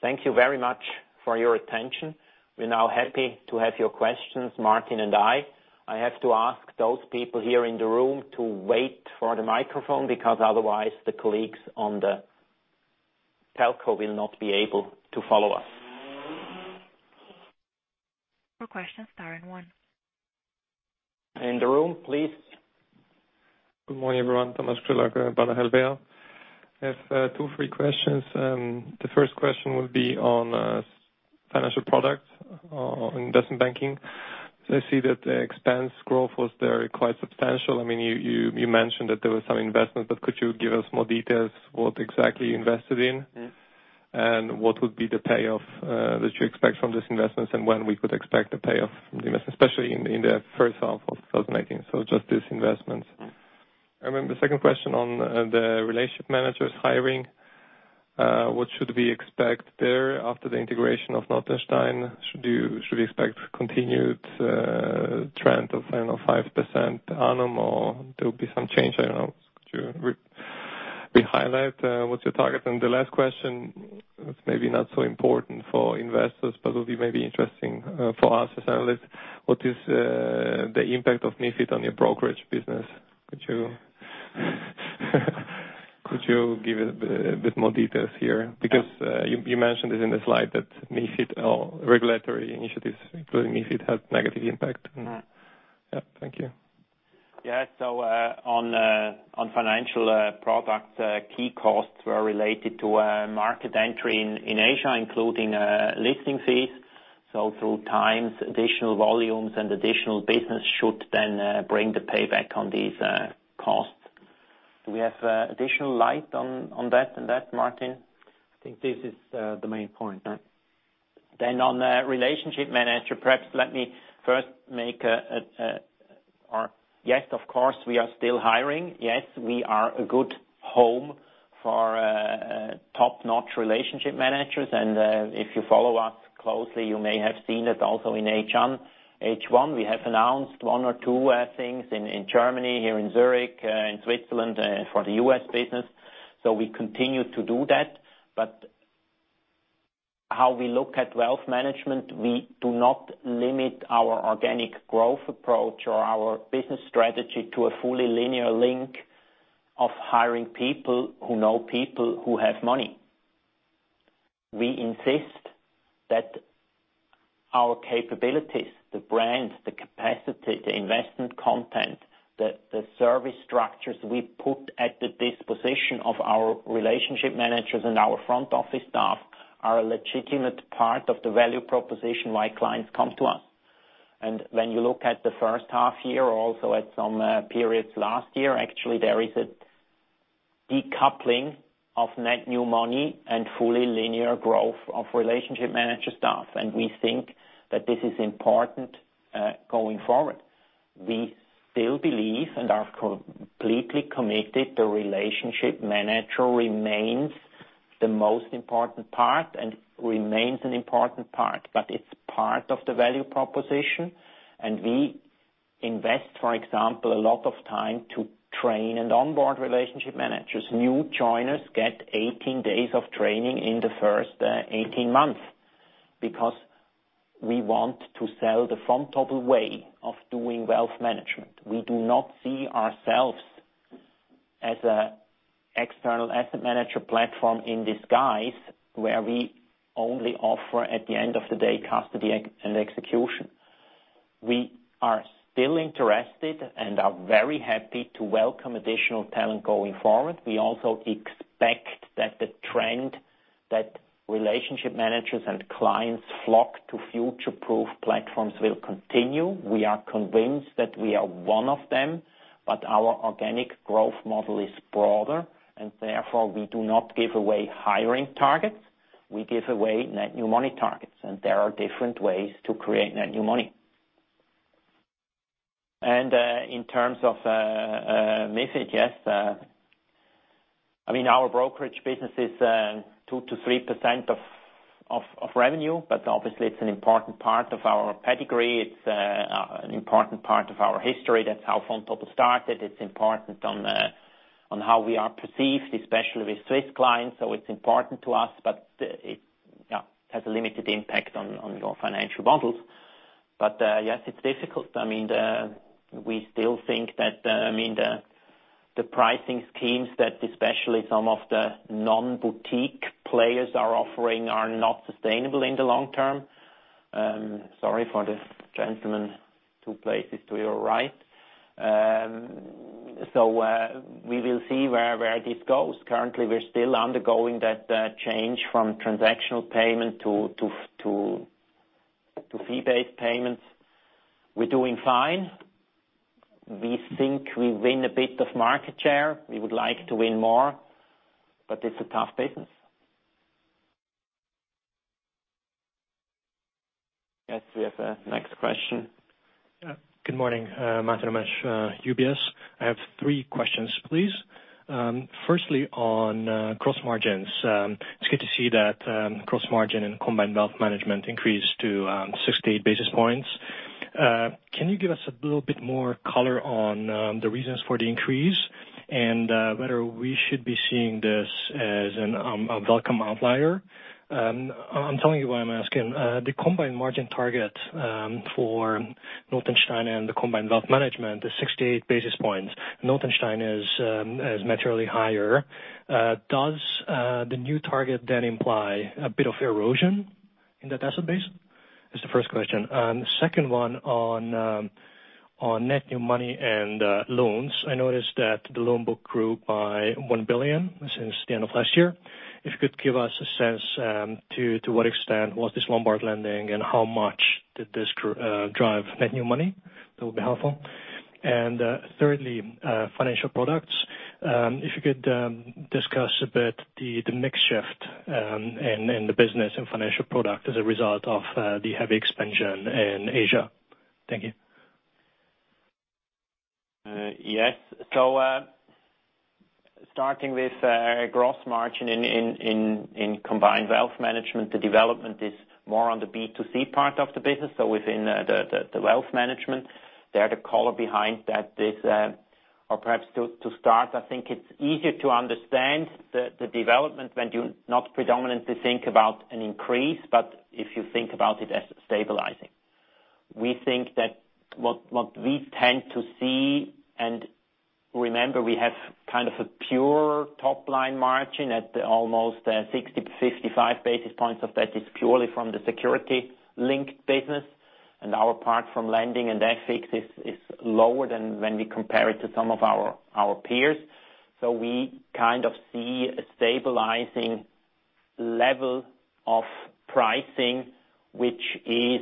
Thank you very much for your attention. We are now happy to have your questions, Martin and I. I have to ask those people here in the room to wait for the microphone because otherwise the colleagues on the telco will not be able to follow us. For questions, star and one. In the room, please. Good morning, everyone. Thomas at Baader Helvea. I have two, three questions. The first question would be on financial products, on investment banking. I see that the expense growth was there quite substantial. You mentioned that there was some investment. Could you give us more details what exactly you invested in? Yeah. What would be the payoff that you expect from these investments and when we could expect the payoff from the investment, especially in the first half of 2019. Just these investments. Yeah. The second question on the relationship managers hiring. What should we expect there after the integration of Notenstein? Should we expect continued trend of, I don't know, 5% annual, or there will be some change? I don't know. Could you re-highlight what's your target? The last question, it's maybe not so important for investors, but would be maybe interesting for us as analysts. What is the impact of MiFID on your brokerage business? Could you give a bit more details here? Because you mentioned it in the slide that regulatory initiatives, including MiFID, had negative impact. Yeah. Thank you. Yeah. On financial products, key costs were related to market entry in Asia, including listing fees. Through times, additional volumes and additional business should then bring the payback on these costs. Do we have additional light on that, Martin? I think this is the main point. On relationship manager, Yes, of course, we are still hiring. Yes, we are a good home for top-notch relationship managers, and if you follow us closely, you may have seen it also in H1. We have announced one or two things in Germany, here in Zurich, in Switzerland, for the U.S. business. We continue to do that. How we look at wealth management, we do not limit our organic growth approach or our business strategy to a fully linear link of hiring people who know people who have money. We insist that our capabilities, the brands, the capacity, the investment content, the service structures we put at the disposition of our relationship managers and our front office staff are a legitimate part of the value proposition why clients come to us. When you look at the first half-year, also at some periods last year, actually, there is a decoupling of net new money and fully linear growth of relationship manager staff. We think that this is important going forward. We still believe and are completely committed, the relationship manager remains the most important part and remains an important part, but it's part of the value proposition, and we invest, for example, a lot of time to train and onboard relationship managers. New joiners get 18 days of training in the first 18 months because we want to sell the Vontobel way of doing wealth management. We do not see ourselves as an external asset manager platform in disguise, where we only offer, at the end of the day, custody and execution. We are still interested and are very happy to welcome additional talent going forward. We also expect that the trend that relationship managers and clients flock to future-proof platforms will continue. We are convinced that we are one of them, Our organic growth model is broader, therefore we do not give away hiring targets. We give away net new money targets, there are different ways to create net new money. In terms of message, yes. Our brokerage business is 2%-3% of revenue, obviously it's an important part of our pedigree. It's an important part of our history. That's how Vontobel started. It's important on how we are perceived, especially with Swiss clients, it's important to us, but it has a limited impact on your financial models. Yes, it's difficult. We still think that the pricing schemes that especially some of the non-boutique players are offering are not sustainable in the long term. Sorry for the gentleman two places to your right. We will see where this goes. Currently, we're still undergoing that change from transactional payment to fee-based payments. We're doing fine. We think we win a bit of market share. We would like to win more, it's a tough business. Yes, we have a next question. Good morning. Martin Umesch, UBS. I have three questions, please. Firstly, on gross margins. It's good to see that gross margin in combined wealth management increased to 6-8 basis points. Can you give us a little bit more color on the reasons for the increase and whether we should be seeing this as a welcome outlier? I'm telling you why I'm asking. The combined margin target for Notenstein and the combined wealth management is 6-8 basis points. Notenstein is materially higher. Does the new target imply a bit of erosion in that asset base? That's the first question. Second one on net new money and loans. I noticed that the loan book grew by 1 billion since the end of last year. If you could give us a sense to what extent was this Lombard lending and how much did this drive net new money? That would be helpful. Thirdly, financial products. If you could discuss a bit the mix shift in the business and financial product as a result of the heavy expansion in Asia. Thank you. Yes. Starting with gross margin in combined wealth management, the development is more on the B2C part of the business. Within the wealth management, there the color behind that is. Perhaps to start, I think it's easier to understand the development when you not predominantly think about an increase, but if you think about it as stabilizing. We think that what we tend to see, and remember, we have kind of a pure top-line margin at almost 60, 55 basis points of that is purely from the security-linked business, and our part from lending and FX is lower than when we compare it to some of our peers. We kind of see a stabilizing level of pricing, which is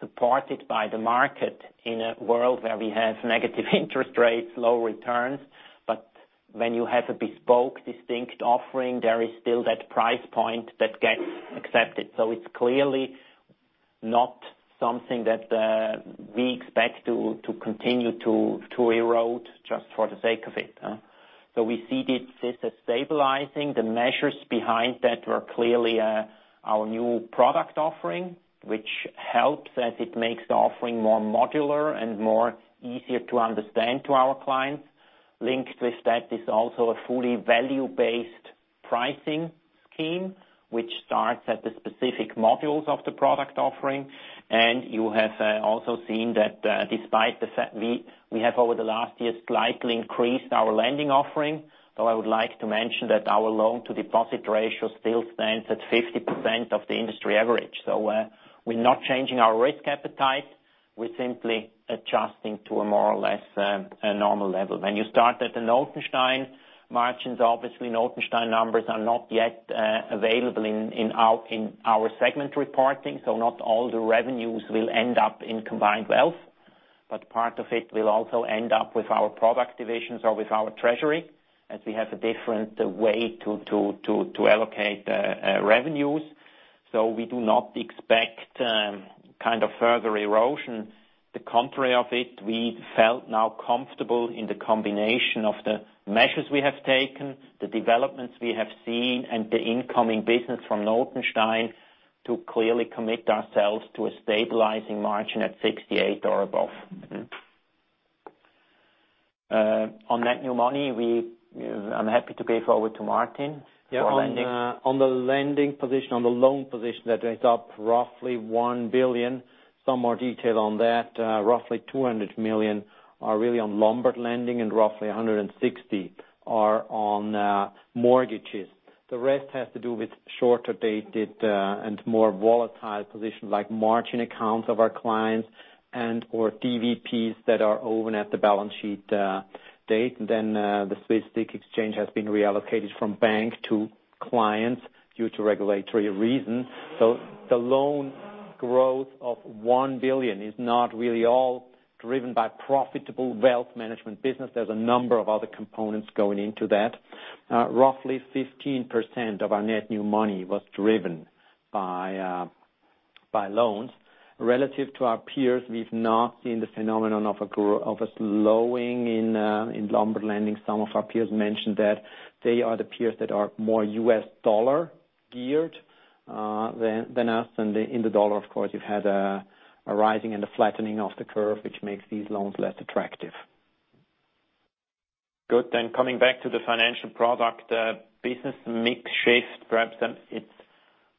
supported by the market in a world where we have negative interest rates, low returns. When you have a bespoke, distinct offering, there is still that price point that gets accepted. It's clearly not something that we expect to continue to erode just for the sake of it. We see this as stabilizing. The measures behind that were clearly our new product offering, which helps as it makes the offering more modular and more easier to understand to our clients. Linked with that is also a fully value-based pricing scheme, which starts at the specific modules of the product offering. You have also seen that despite the fact we have over the last year slightly increased our lending offering. Though I would like to mention that our loan-to-deposit ratio still stands at 50% of the industry average. We're not changing our risk appetite. We're simply adjusting to a more or less normal level. When you start at the Notenstein margins, obviously Notenstein numbers are not yet available in our segment reporting, not all the revenues will end up in combined wealth. Part of it will also end up with our product divisions or with our treasury, as we have a different way to allocate revenues. We do not expect further erosion. The contrary of it, we felt now comfortable in the combination of the measures we have taken, the developments we have seen, and the incoming business from Notenstein to clearly commit ourselves to a stabilizing margin at 68% or above. On that new money, I am happy to give over to Martin for lending. On the lending position, on the loan position, that went up roughly 1 billion. Some more detail on that. Roughly 200 million are really on Lombard lending and roughly 160 million are on mortgages. The rest has to do with shorter-dated and more volatile positions like margin accounts of our clients and/or TVPs that are open at the balance sheet date. The SIX Swiss Exchange has been reallocated from bank to clients due to regulatory reasons. The loan growth of 1 billion is not really all driven by profitable wealth management business. There is a number of other components going into that. Roughly 15% of our net new money was driven by loans. Relative to our peers, we have not seen the phenomenon of a slowing in Lombard lending. Some of our peers mentioned that they are the peers that are more U.S. dollar geared than us. In the U.S. dollar, of course, you have had a rising and a flattening of the curve, which makes these loans less attractive. Coming back to the financial product business mix shift, perhaps it is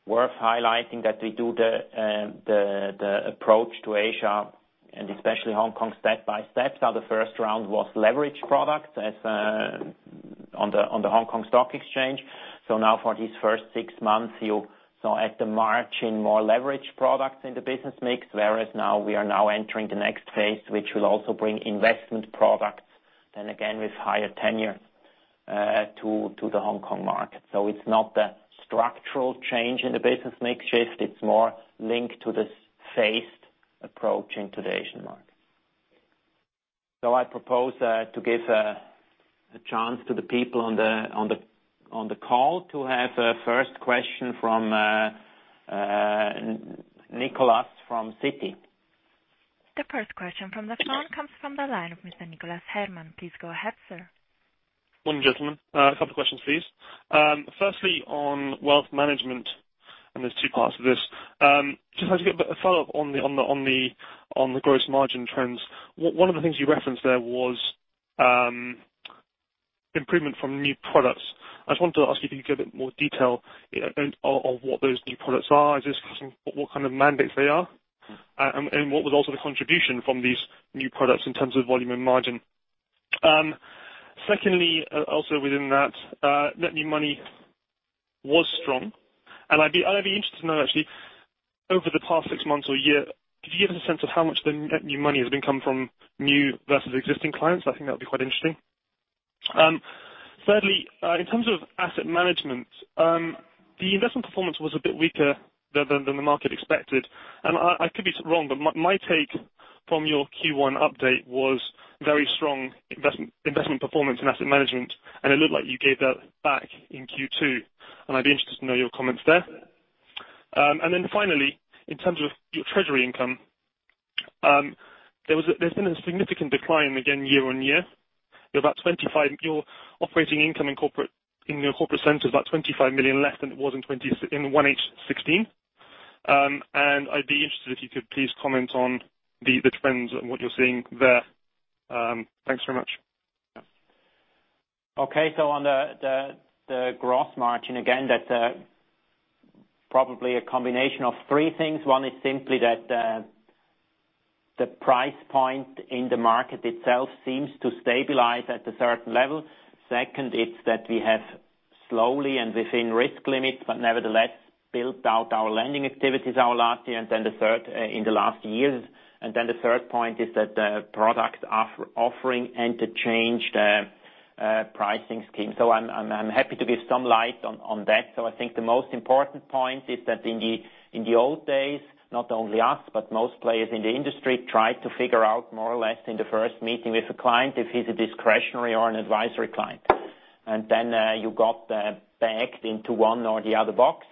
worth highlighting that we do the approach to Asia and especially Hong Kong step by step. Now the first round was leverage products on the Hong Kong Stock Exchange. Now for these first six months, you saw at the margin more leverage products in the business mix. Now we are now entering the next phase, which will also bring investment products, then again, with higher tenure to the Hong Kong market. It is not a structural change in the business mix shift. It is more linked to this phased approach into the Asian market. I propose to give a chance to the people on the call to have a first question from Nicholas from Citi. The first question from the phone comes from the line of Mr. Nicholas Herman. Please go ahead, sir. Morning, gentlemen. A couple of questions, please. Firstly, on wealth management. There's two parts to this. Just like to get a bit of follow-up on the gross margin trends. One of the things you referenced there was improvement from new products. I just wanted to ask you if you could give a bit more detail of what those new products are. Is this custom? What kind of mandates they are? What was also the contribution from these new products in terms of volume and margin. Secondly, also within that, net new money was strong. I'd be interested to know, actually, over the past six months or a year, could you give us a sense of how much the net new money has been coming from new versus existing clients? I think that'd be quite interesting. Thirdly, in terms of asset management, the investment performance was a bit weaker than the market expected. I could be wrong, but my take from your Q1 update was very strong investment performance in asset management. It looked like you gave that back in Q2. I'd be interested to know your comments there. Finally, in terms of your treasury income, there's been a significant decline again year-on-year. Your operating income in your corporate center is about 25 million less than it was in H1 2016. I'd be interested if you could please comment on the trends and what you're seeing there. Thanks very much. On the gross margin, again, that probably a combination of three things. One is simply that the price point in the market itself seems to stabilize at a certain level. Second, it's that we have slowly and within risk limits, but nevertheless, built out our lending activities in the last years. The third point is that the products are offering interchange the pricing scheme. I'm happy to give some light on that. I think the most important point is that in the old days, not only us, but most players in the industry tried to figure out more or less in the first meeting with a client, if he's a discretionary or an advisory client. Then you got bagged into one or the other box,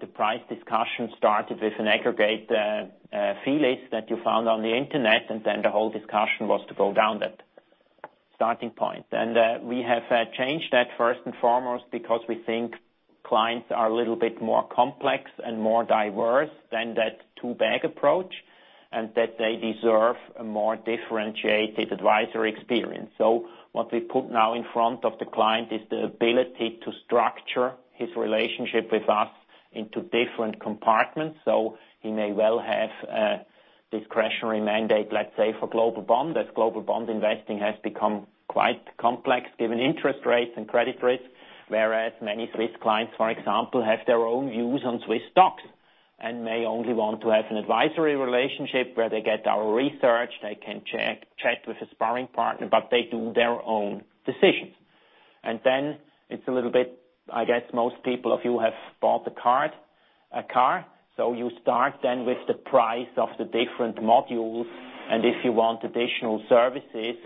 the price discussion started with an aggregate fee list that you found on the internet, the whole discussion was to go down that starting point. We have changed that first and foremost because we think clients are a little bit more complex and more diverse than that two-bag approach, they deserve a more differentiated advisory experience. What we put now in front of the client is the ability to structure his relationship with us into different compartments. He may well have a discretionary mandate, let's say, for global bond, as global bond investing has become quite complex given interest rates and credit risk. Whereas many Swiss clients, for example, have their own views on Swiss stocks and may only want to have an advisory relationship where they get our research, they can chat with a sparring partner, but they do their own decisions. It's a little bit, I guess most people of you have bought a car. You start then with the price of the different modules, if you want additional services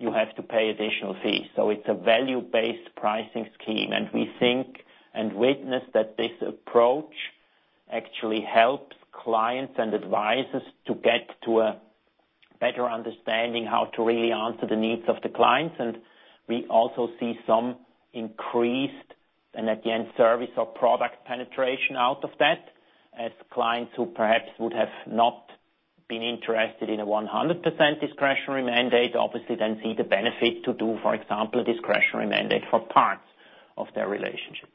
you have to pay additional fees. It's a value-based pricing scheme, we think and witness that this approach actually helps clients and advisers to get to a better understanding how to really answer the needs of the clients. We also see some increased, at the end, service or product penetration out of that, as clients who perhaps would have not been interested in a 100% discretionary mandate, obviously then see the benefit to do, for example, a discretionary mandate for parts of their relationship.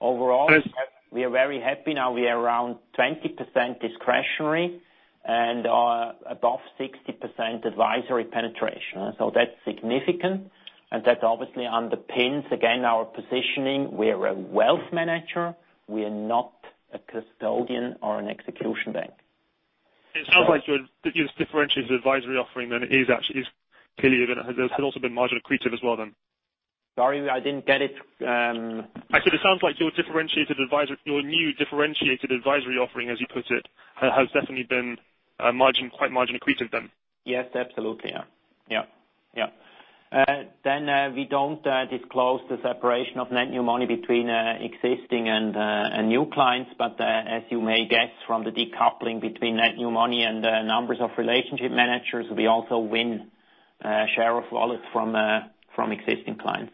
Yes We are very happy now. We are around 20% discretionary and are above 60% advisory penetration. That's significant, that obviously underpins, again, our positioning. We're a wealth manager. We are not a custodian or an execution bank. It sounds like your differentiated advisory offering has also been margin-accretive as well then. Sorry, I didn't get it. Actually, it sounds like your new differentiated advisory offering, as you put it, has definitely been quite margin-accretive then. Yes, absolutely. Yeah. We don't disclose the separation of net new money between existing and new clients, but as you may guess from the decoupling between net new money and numbers of relationship managers, we also win share of wallets from existing clients.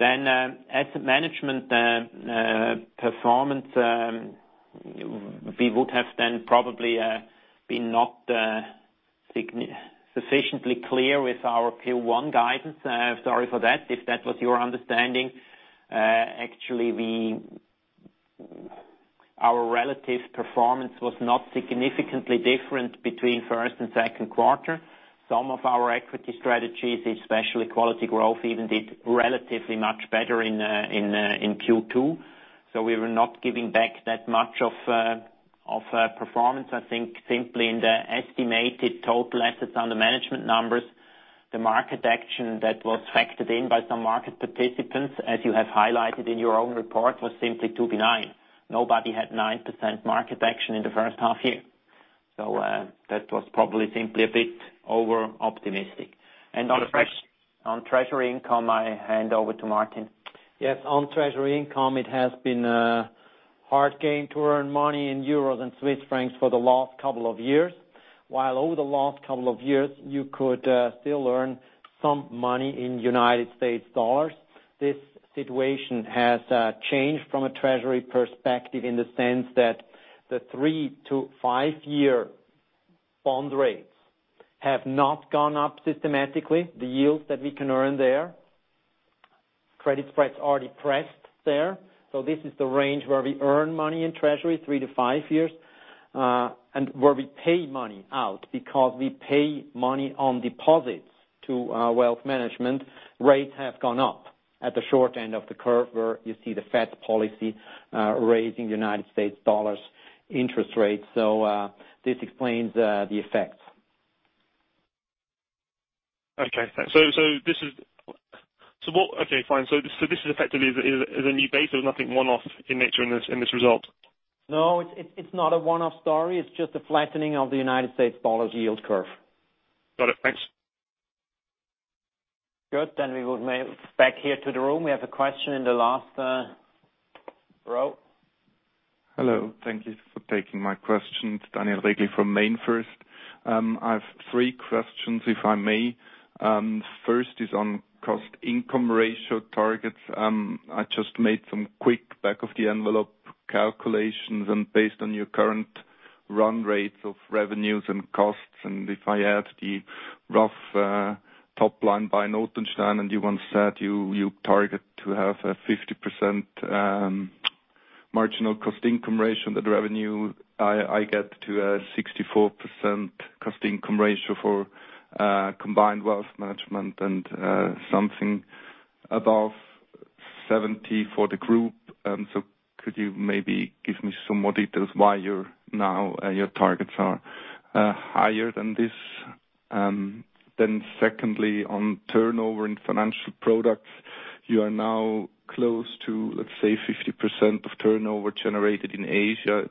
Asset management performance, we would have then probably been not sufficiently clear with our Q1 guidance. Sorry for that, if that was your understanding. Actually, our relative performance was not significantly different between first and second quarter. Some of our equity strategies, especially quality growth, even did relatively much better in Q2. We were not giving back that much of performance. I think simply in the estimated total assets under management numbers, the market action that was factored in by some market participants, as you have highlighted in your own report, was simply too benign. Nobody had 9% market action in the first half year. That was probably simply a bit over-optimistic. On treasury income, I hand over to Martin. Yes, on treasury income, it has been a hard game to earn money in euros and Swiss francs for the last couple of years. While over the last couple of years, you could still earn some money in United States dollars. This situation has changed from a treasury perspective in the sense that the three- to five-year bond rates have not gone up systematically, the yields that we can earn there. Credit spreads are depressed there. This is the range where we earn money in treasury, three to five years, and where we pay money out because we pay money on deposits to wealth management. Rates have gone up at the short end of the curve where you see the Fed policy raising United States dollars interest rates. This explains the effects. Okay, thanks. Fine. This effectively is a new base. There was nothing one-off in nature in this result? No, it's not a one-off story. It's just a flattening of the United States dollars yield curve. Got it. Thanks. Good. We go back here to the room. We have a question in the last row. Hello. Thank you for taking my questions. Daniel Regli from MainFirst. I have three questions, if I may. First is on cost income ratio targets. I just made some quick back of the envelope calculations, and based on your current run rates of revenues and costs, and if I add the rough top line by Notenstein, and you once said you target to have a 50% marginal cost income ratio. The revenue I get to a 64% cost income ratio for combined wealth management and something above 70 for the group. Could you maybe give me some more details why now your targets are higher than this? Secondly, on turnover in financial products, you are now close to, let's say, 50% of turnover generated in Asia.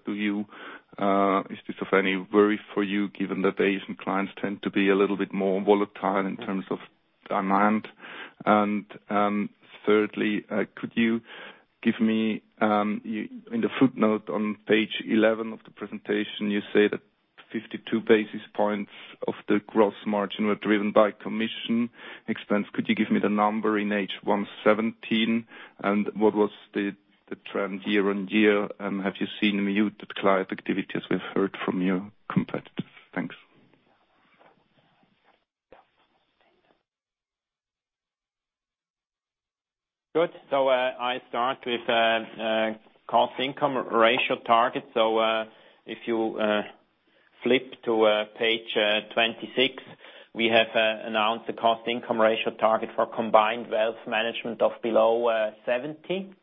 Is this of any worry for you, given that Asian clients tend to be a little bit more volatile in terms of demand? Thirdly, in the footnote on page 11 of the presentation, you say that 52 basis points of the gross margin were driven by commission expense. Could you give me the number in H1 2017, and what was the trend year-on-year? Have you seen muted client activity as we've heard from your competitors? Thanks. I start with cost income ratio target. If you flip to page 26, we have announced the cost income ratio target for combined wealth management of below 70%.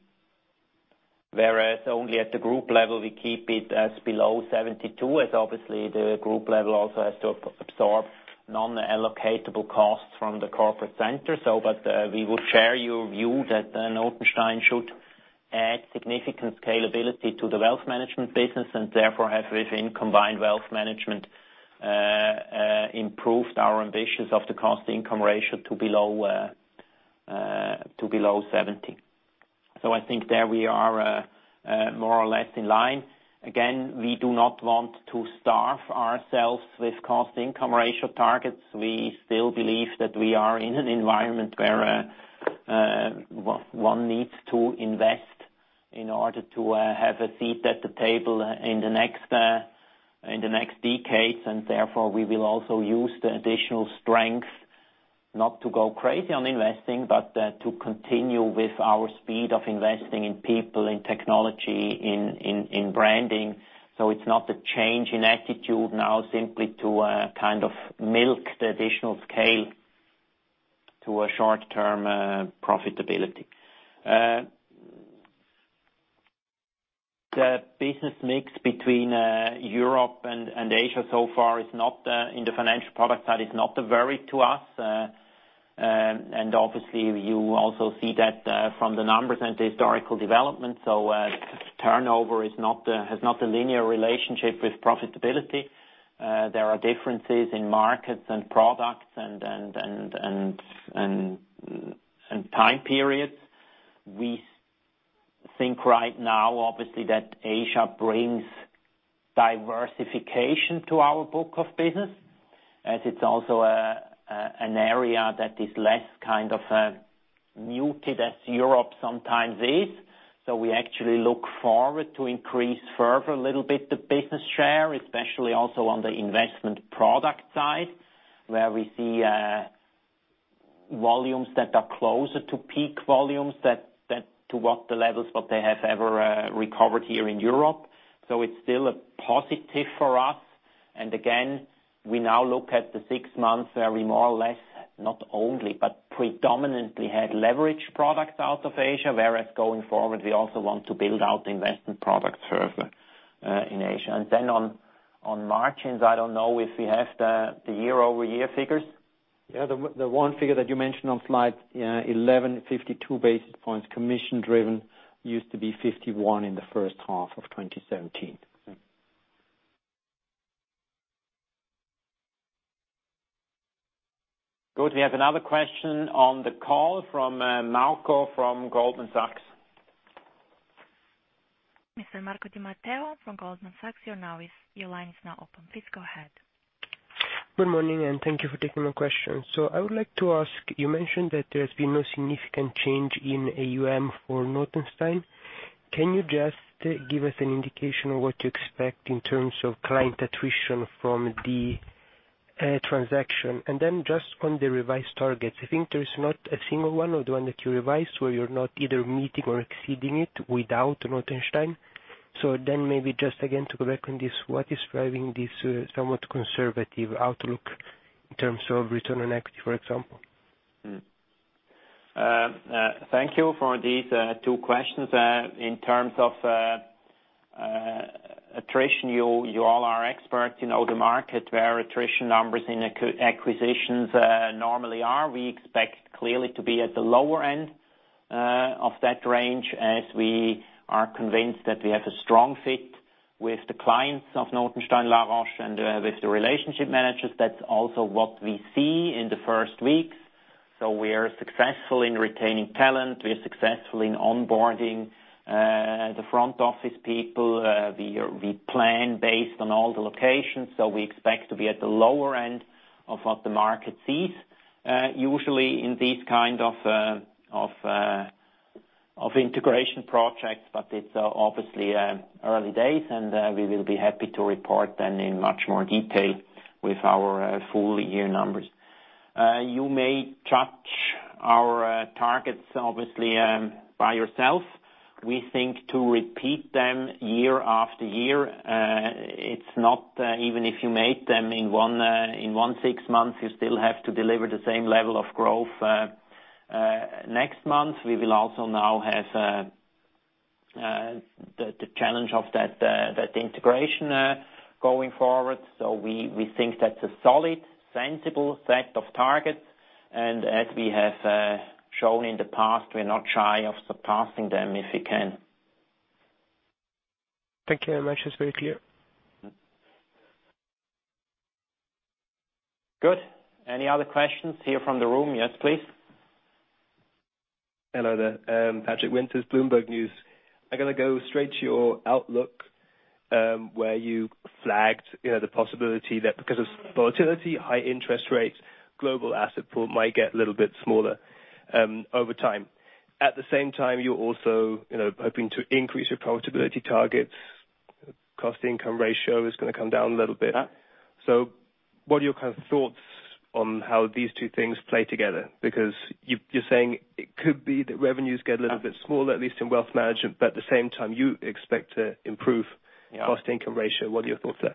Whereas only at the group level, we keep it as below 72%, as obviously the group level also has to absorb non-allocatable costs from the corporate center. We will share your view that Notenstein should add significant scalability to the wealth management business, and therefore have within combined wealth management, improved our ambitions of the cost income ratio to below 70%. I think there we are more or less in line. Again, we do not want to starve ourselves with cost income ratio targets. We still believe that we are in an environment where one needs to invest in order to have a seat at the table in the next decades. Therefore we will also use the additional strength, not to go crazy on investing, but to continue with our speed of investing in people, in technology, in branding. It's not a change in attitude now simply to milk the additional scale to a short-term profitability. The business mix between Europe and Asia so far in the financial product side is not varied to us. Obviously you also see that from the numbers and the historical development. Turnover has not a linear relationship with profitability. There are differences in markets and products and time periods. We think right now, obviously, that Asia brings diversification to our book of business, as it's also an area that is less muted as Europe sometimes is. We actually look forward to increase further a little bit the business share, especially also on the investment product side, where we see volumes that are closer to peak volumes to what the levels, what they have ever recovered here in Europe. It's still a positive for us. Again, we now look at the six months where we more or less, not only, but predominantly had leverage products out of Asia. Whereas going forward, we also want to build out investment products further in Asia. Then on margins, I don't know if we have the year-over-year figures. The one figure that you mentioned on slide 11, 52 basis points, commission-driven, used to be 51 in the first half of 2017. Good. We have another question on the call from Marco from Goldman Sachs. Mr. Marco di Matteo from Goldman Sachs, your line is now open. Please go ahead. Good morning. Thank you for taking my question. I would like to ask, you mentioned that there's been no significant change in AUM for Notenstein. Can you just give us an indication of what you expect in terms of client attrition from the transaction? Just on the revised targets, I think there is not a single one or the one that you revised where you're not either meeting or exceeding it without Notenstein. Maybe just again to reckon this, what is driving this somewhat conservative outlook in terms of return on equity, for example? Thank you for these two questions. In terms of attrition, you all are experts. You know the market, where attrition numbers in acquisitions normally are. We expect clearly to be at the lower end of that range as we are convinced that we have a strong fit with the clients of Notenstein La Roche and with the relationship managers. That's also what we see in the first weeks. We are successful in retaining talent. We are successful in onboarding the front office people. We plan based on all the locations. We expect to be at the lower end of what the market sees, usually in these kind of integration projects. It's obviously early days and we will be happy to report then in much more detail with our full year numbers. You may judge our targets, obviously, by yourself. We think to repeat them year after year. Even if you made them in one six months, you still have to deliver the same level of growth next month. We will also now have the challenge of that integration going forward. We think that's a solid, sensible set of targets. As we have shown in the past, we're not shy of surpassing them if we can. Thank you very much. It's very clear. Good. Any other questions here from the room? Yes, please. Hello there. Patrick Winters, Bloomberg News. I'm going to go straight to your outlook, where you flagged the possibility that because of volatility, high interest rates, global asset pool might get a little bit smaller over time. At the same time, you're also hoping to increase your profitability targets. Cost income ratio is going to come down a little bit. Yeah. What are your thoughts on how these two things play together? Because you're saying it could be that revenues get a little bit smaller, at least in wealth management, but at the same time, you expect to improve- Yeah cost income ratio. What are your thoughts there?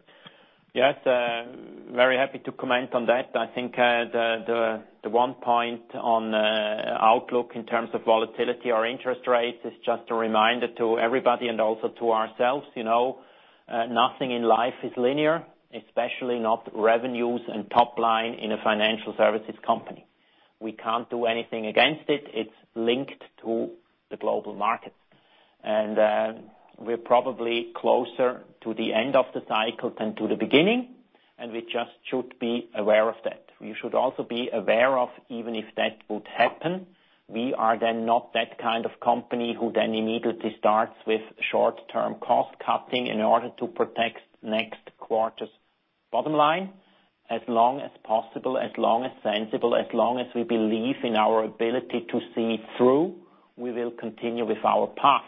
Yes, very happy to comment on that. I think the one point on outlook in terms of volatility or interest rates is just a reminder to everybody and also to ourselves, nothing in life is linear, especially not revenues and top line in a financial services company. We can't do anything against it. It's linked to the global market. We're probably closer to the end of the cycle than to the beginning, we just should be aware of that. We should also be aware of, even if that would happen, we are then not that kind of company who then immediately starts with short-term cost cutting in order to protect next quarter's bottom line. As long as possible, as long as sensible, as long as we believe in our ability to see it through, we will continue with our path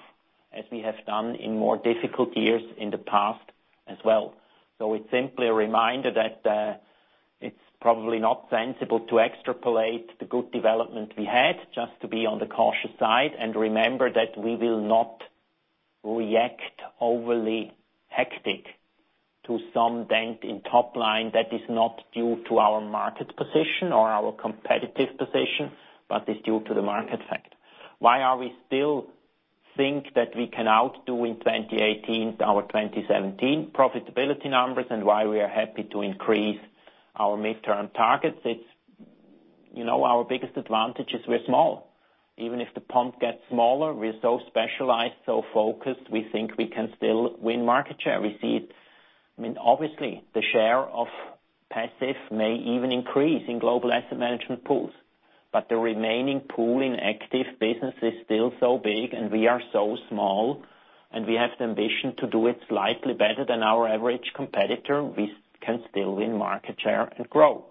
as we have done in more difficult years in the past as well. It's simply a reminder that it's probably not sensible to extrapolate the good development we had, just to be on the cautious side, and remember that we will not react overly hectic to some dent in top line that is not due to our market position or our competitive position, but is due to the market factor. Why are we still think that we can outdo in 2018 our 2017 profitability numbers, and why we are happy to increase our midterm targets? Our biggest advantage is we're small. Even if the pump gets smaller, we're so specialized, so focused, we think we can still win market share. The share of passive may even increase in global asset management pools, but the remaining pool in active business is still so big and we are so small, and we have the ambition to do it slightly better than our average competitor. We can still win market share and grow.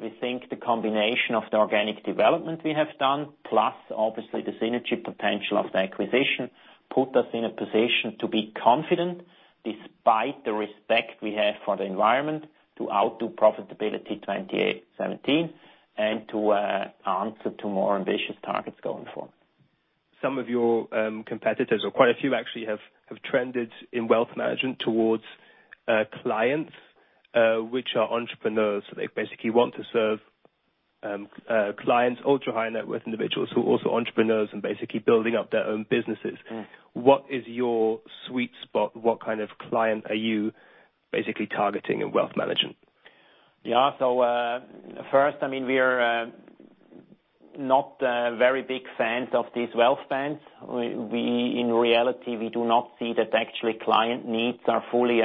We think the combination of the organic development we have done, plus obviously the synergy potential of the acquisition, put us in a position to be confident despite the respect we have for the environment to outdo profitability 2017 and to answer to more ambitious targets going forward. Some of your competitors, or quite a few actually, have trended in wealth management towards clients which are entrepreneurs. They basically want to serve clients, ultra-high-net-worth individuals who are also entrepreneurs and basically building up their own businesses. What is your sweet spot? What kind of client are you basically targeting in wealth management? Yeah. First, we are not a very big fan of these wealth bands. In reality, we do not see that actually client needs are fully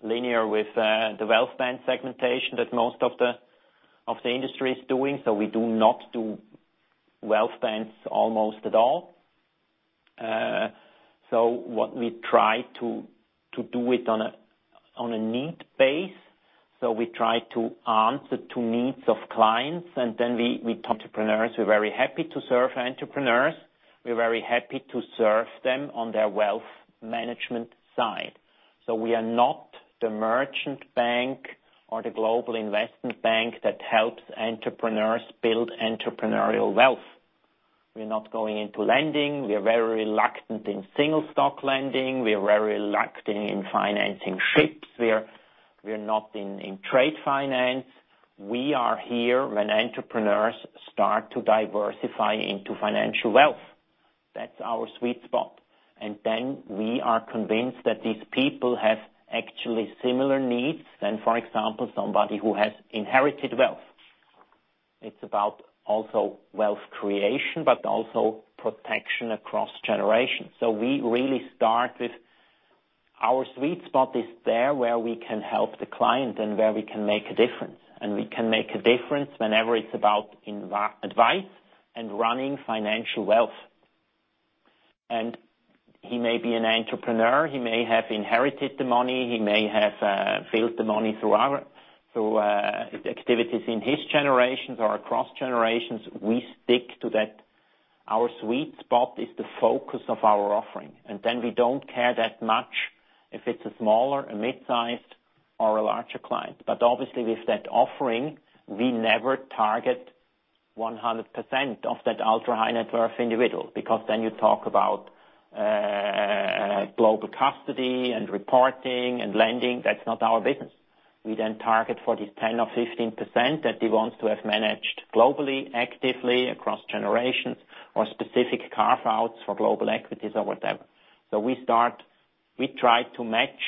linear with the wealth band segmentation that most of the industry is doing. We do not do wealth bands almost at all. What we try to do it on a need base. We try to answer to needs of clients, and then we talk to entrepreneurs. We are very happy to serve entrepreneurs. We are very happy to serve them on their wealth management side. We are not the merchant bank or the global investment bank that helps entrepreneurs build entrepreneurial wealth. We are not going into lending. We are very reluctant in single stock lending. We are very reluctant in financing ships. We are not in trade finance. We are here when entrepreneurs start to diversify into financial wealth. That's our sweet spot. We are convinced that these people have actually similar needs than, for example, somebody who has inherited wealth. It's about also wealth creation, but also protection across generations. We really start with our sweet spot is there where we can help the client and where we can make a difference, and we can make a difference whenever it's about advice and running financial wealth. He may be an entrepreneur, he may have inherited the money, he may have built the money through activities in his generations or across generations. We stick to that. Our sweet spot is the focus of our offering. We don't care that much if it's a smaller, a mid-sized or a larger client. Obviously with that offering, we never target 100% of that ultra-high-net-worth individual because then you talk about global custody and reporting and lending. That's not our business. We then target for these 10% or 15% that he wants to have managed globally, actively across generations or specific carve-outs for global equities or whatever. We try to match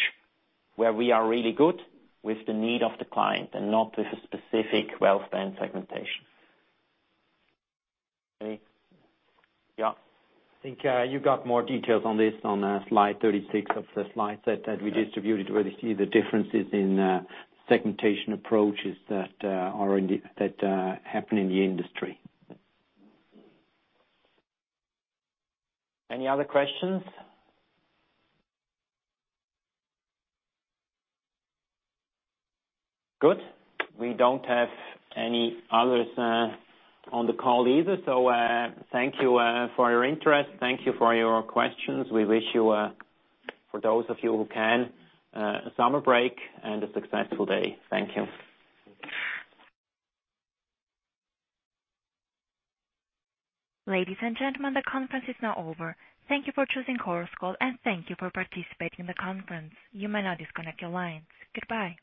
where we are really good with the need of the client and not with a specific wealth band segmentation. Yeah. I think you got more details on this on slide 36 of the slide set that we distributed, where you see the differences in segmentation approaches that happen in the industry. Any other questions? Good. We don't have any others on the call either. Thank you for your interest. Thank you for your questions. We wish you, for those of you who can, a summer break and a successful day. Thank you. Thank you. Ladies and gentlemen, the conference is now over. Thank you for choosing Chorus Call, and thank you for participating in the conference. You may now disconnect your lines. Goodbye.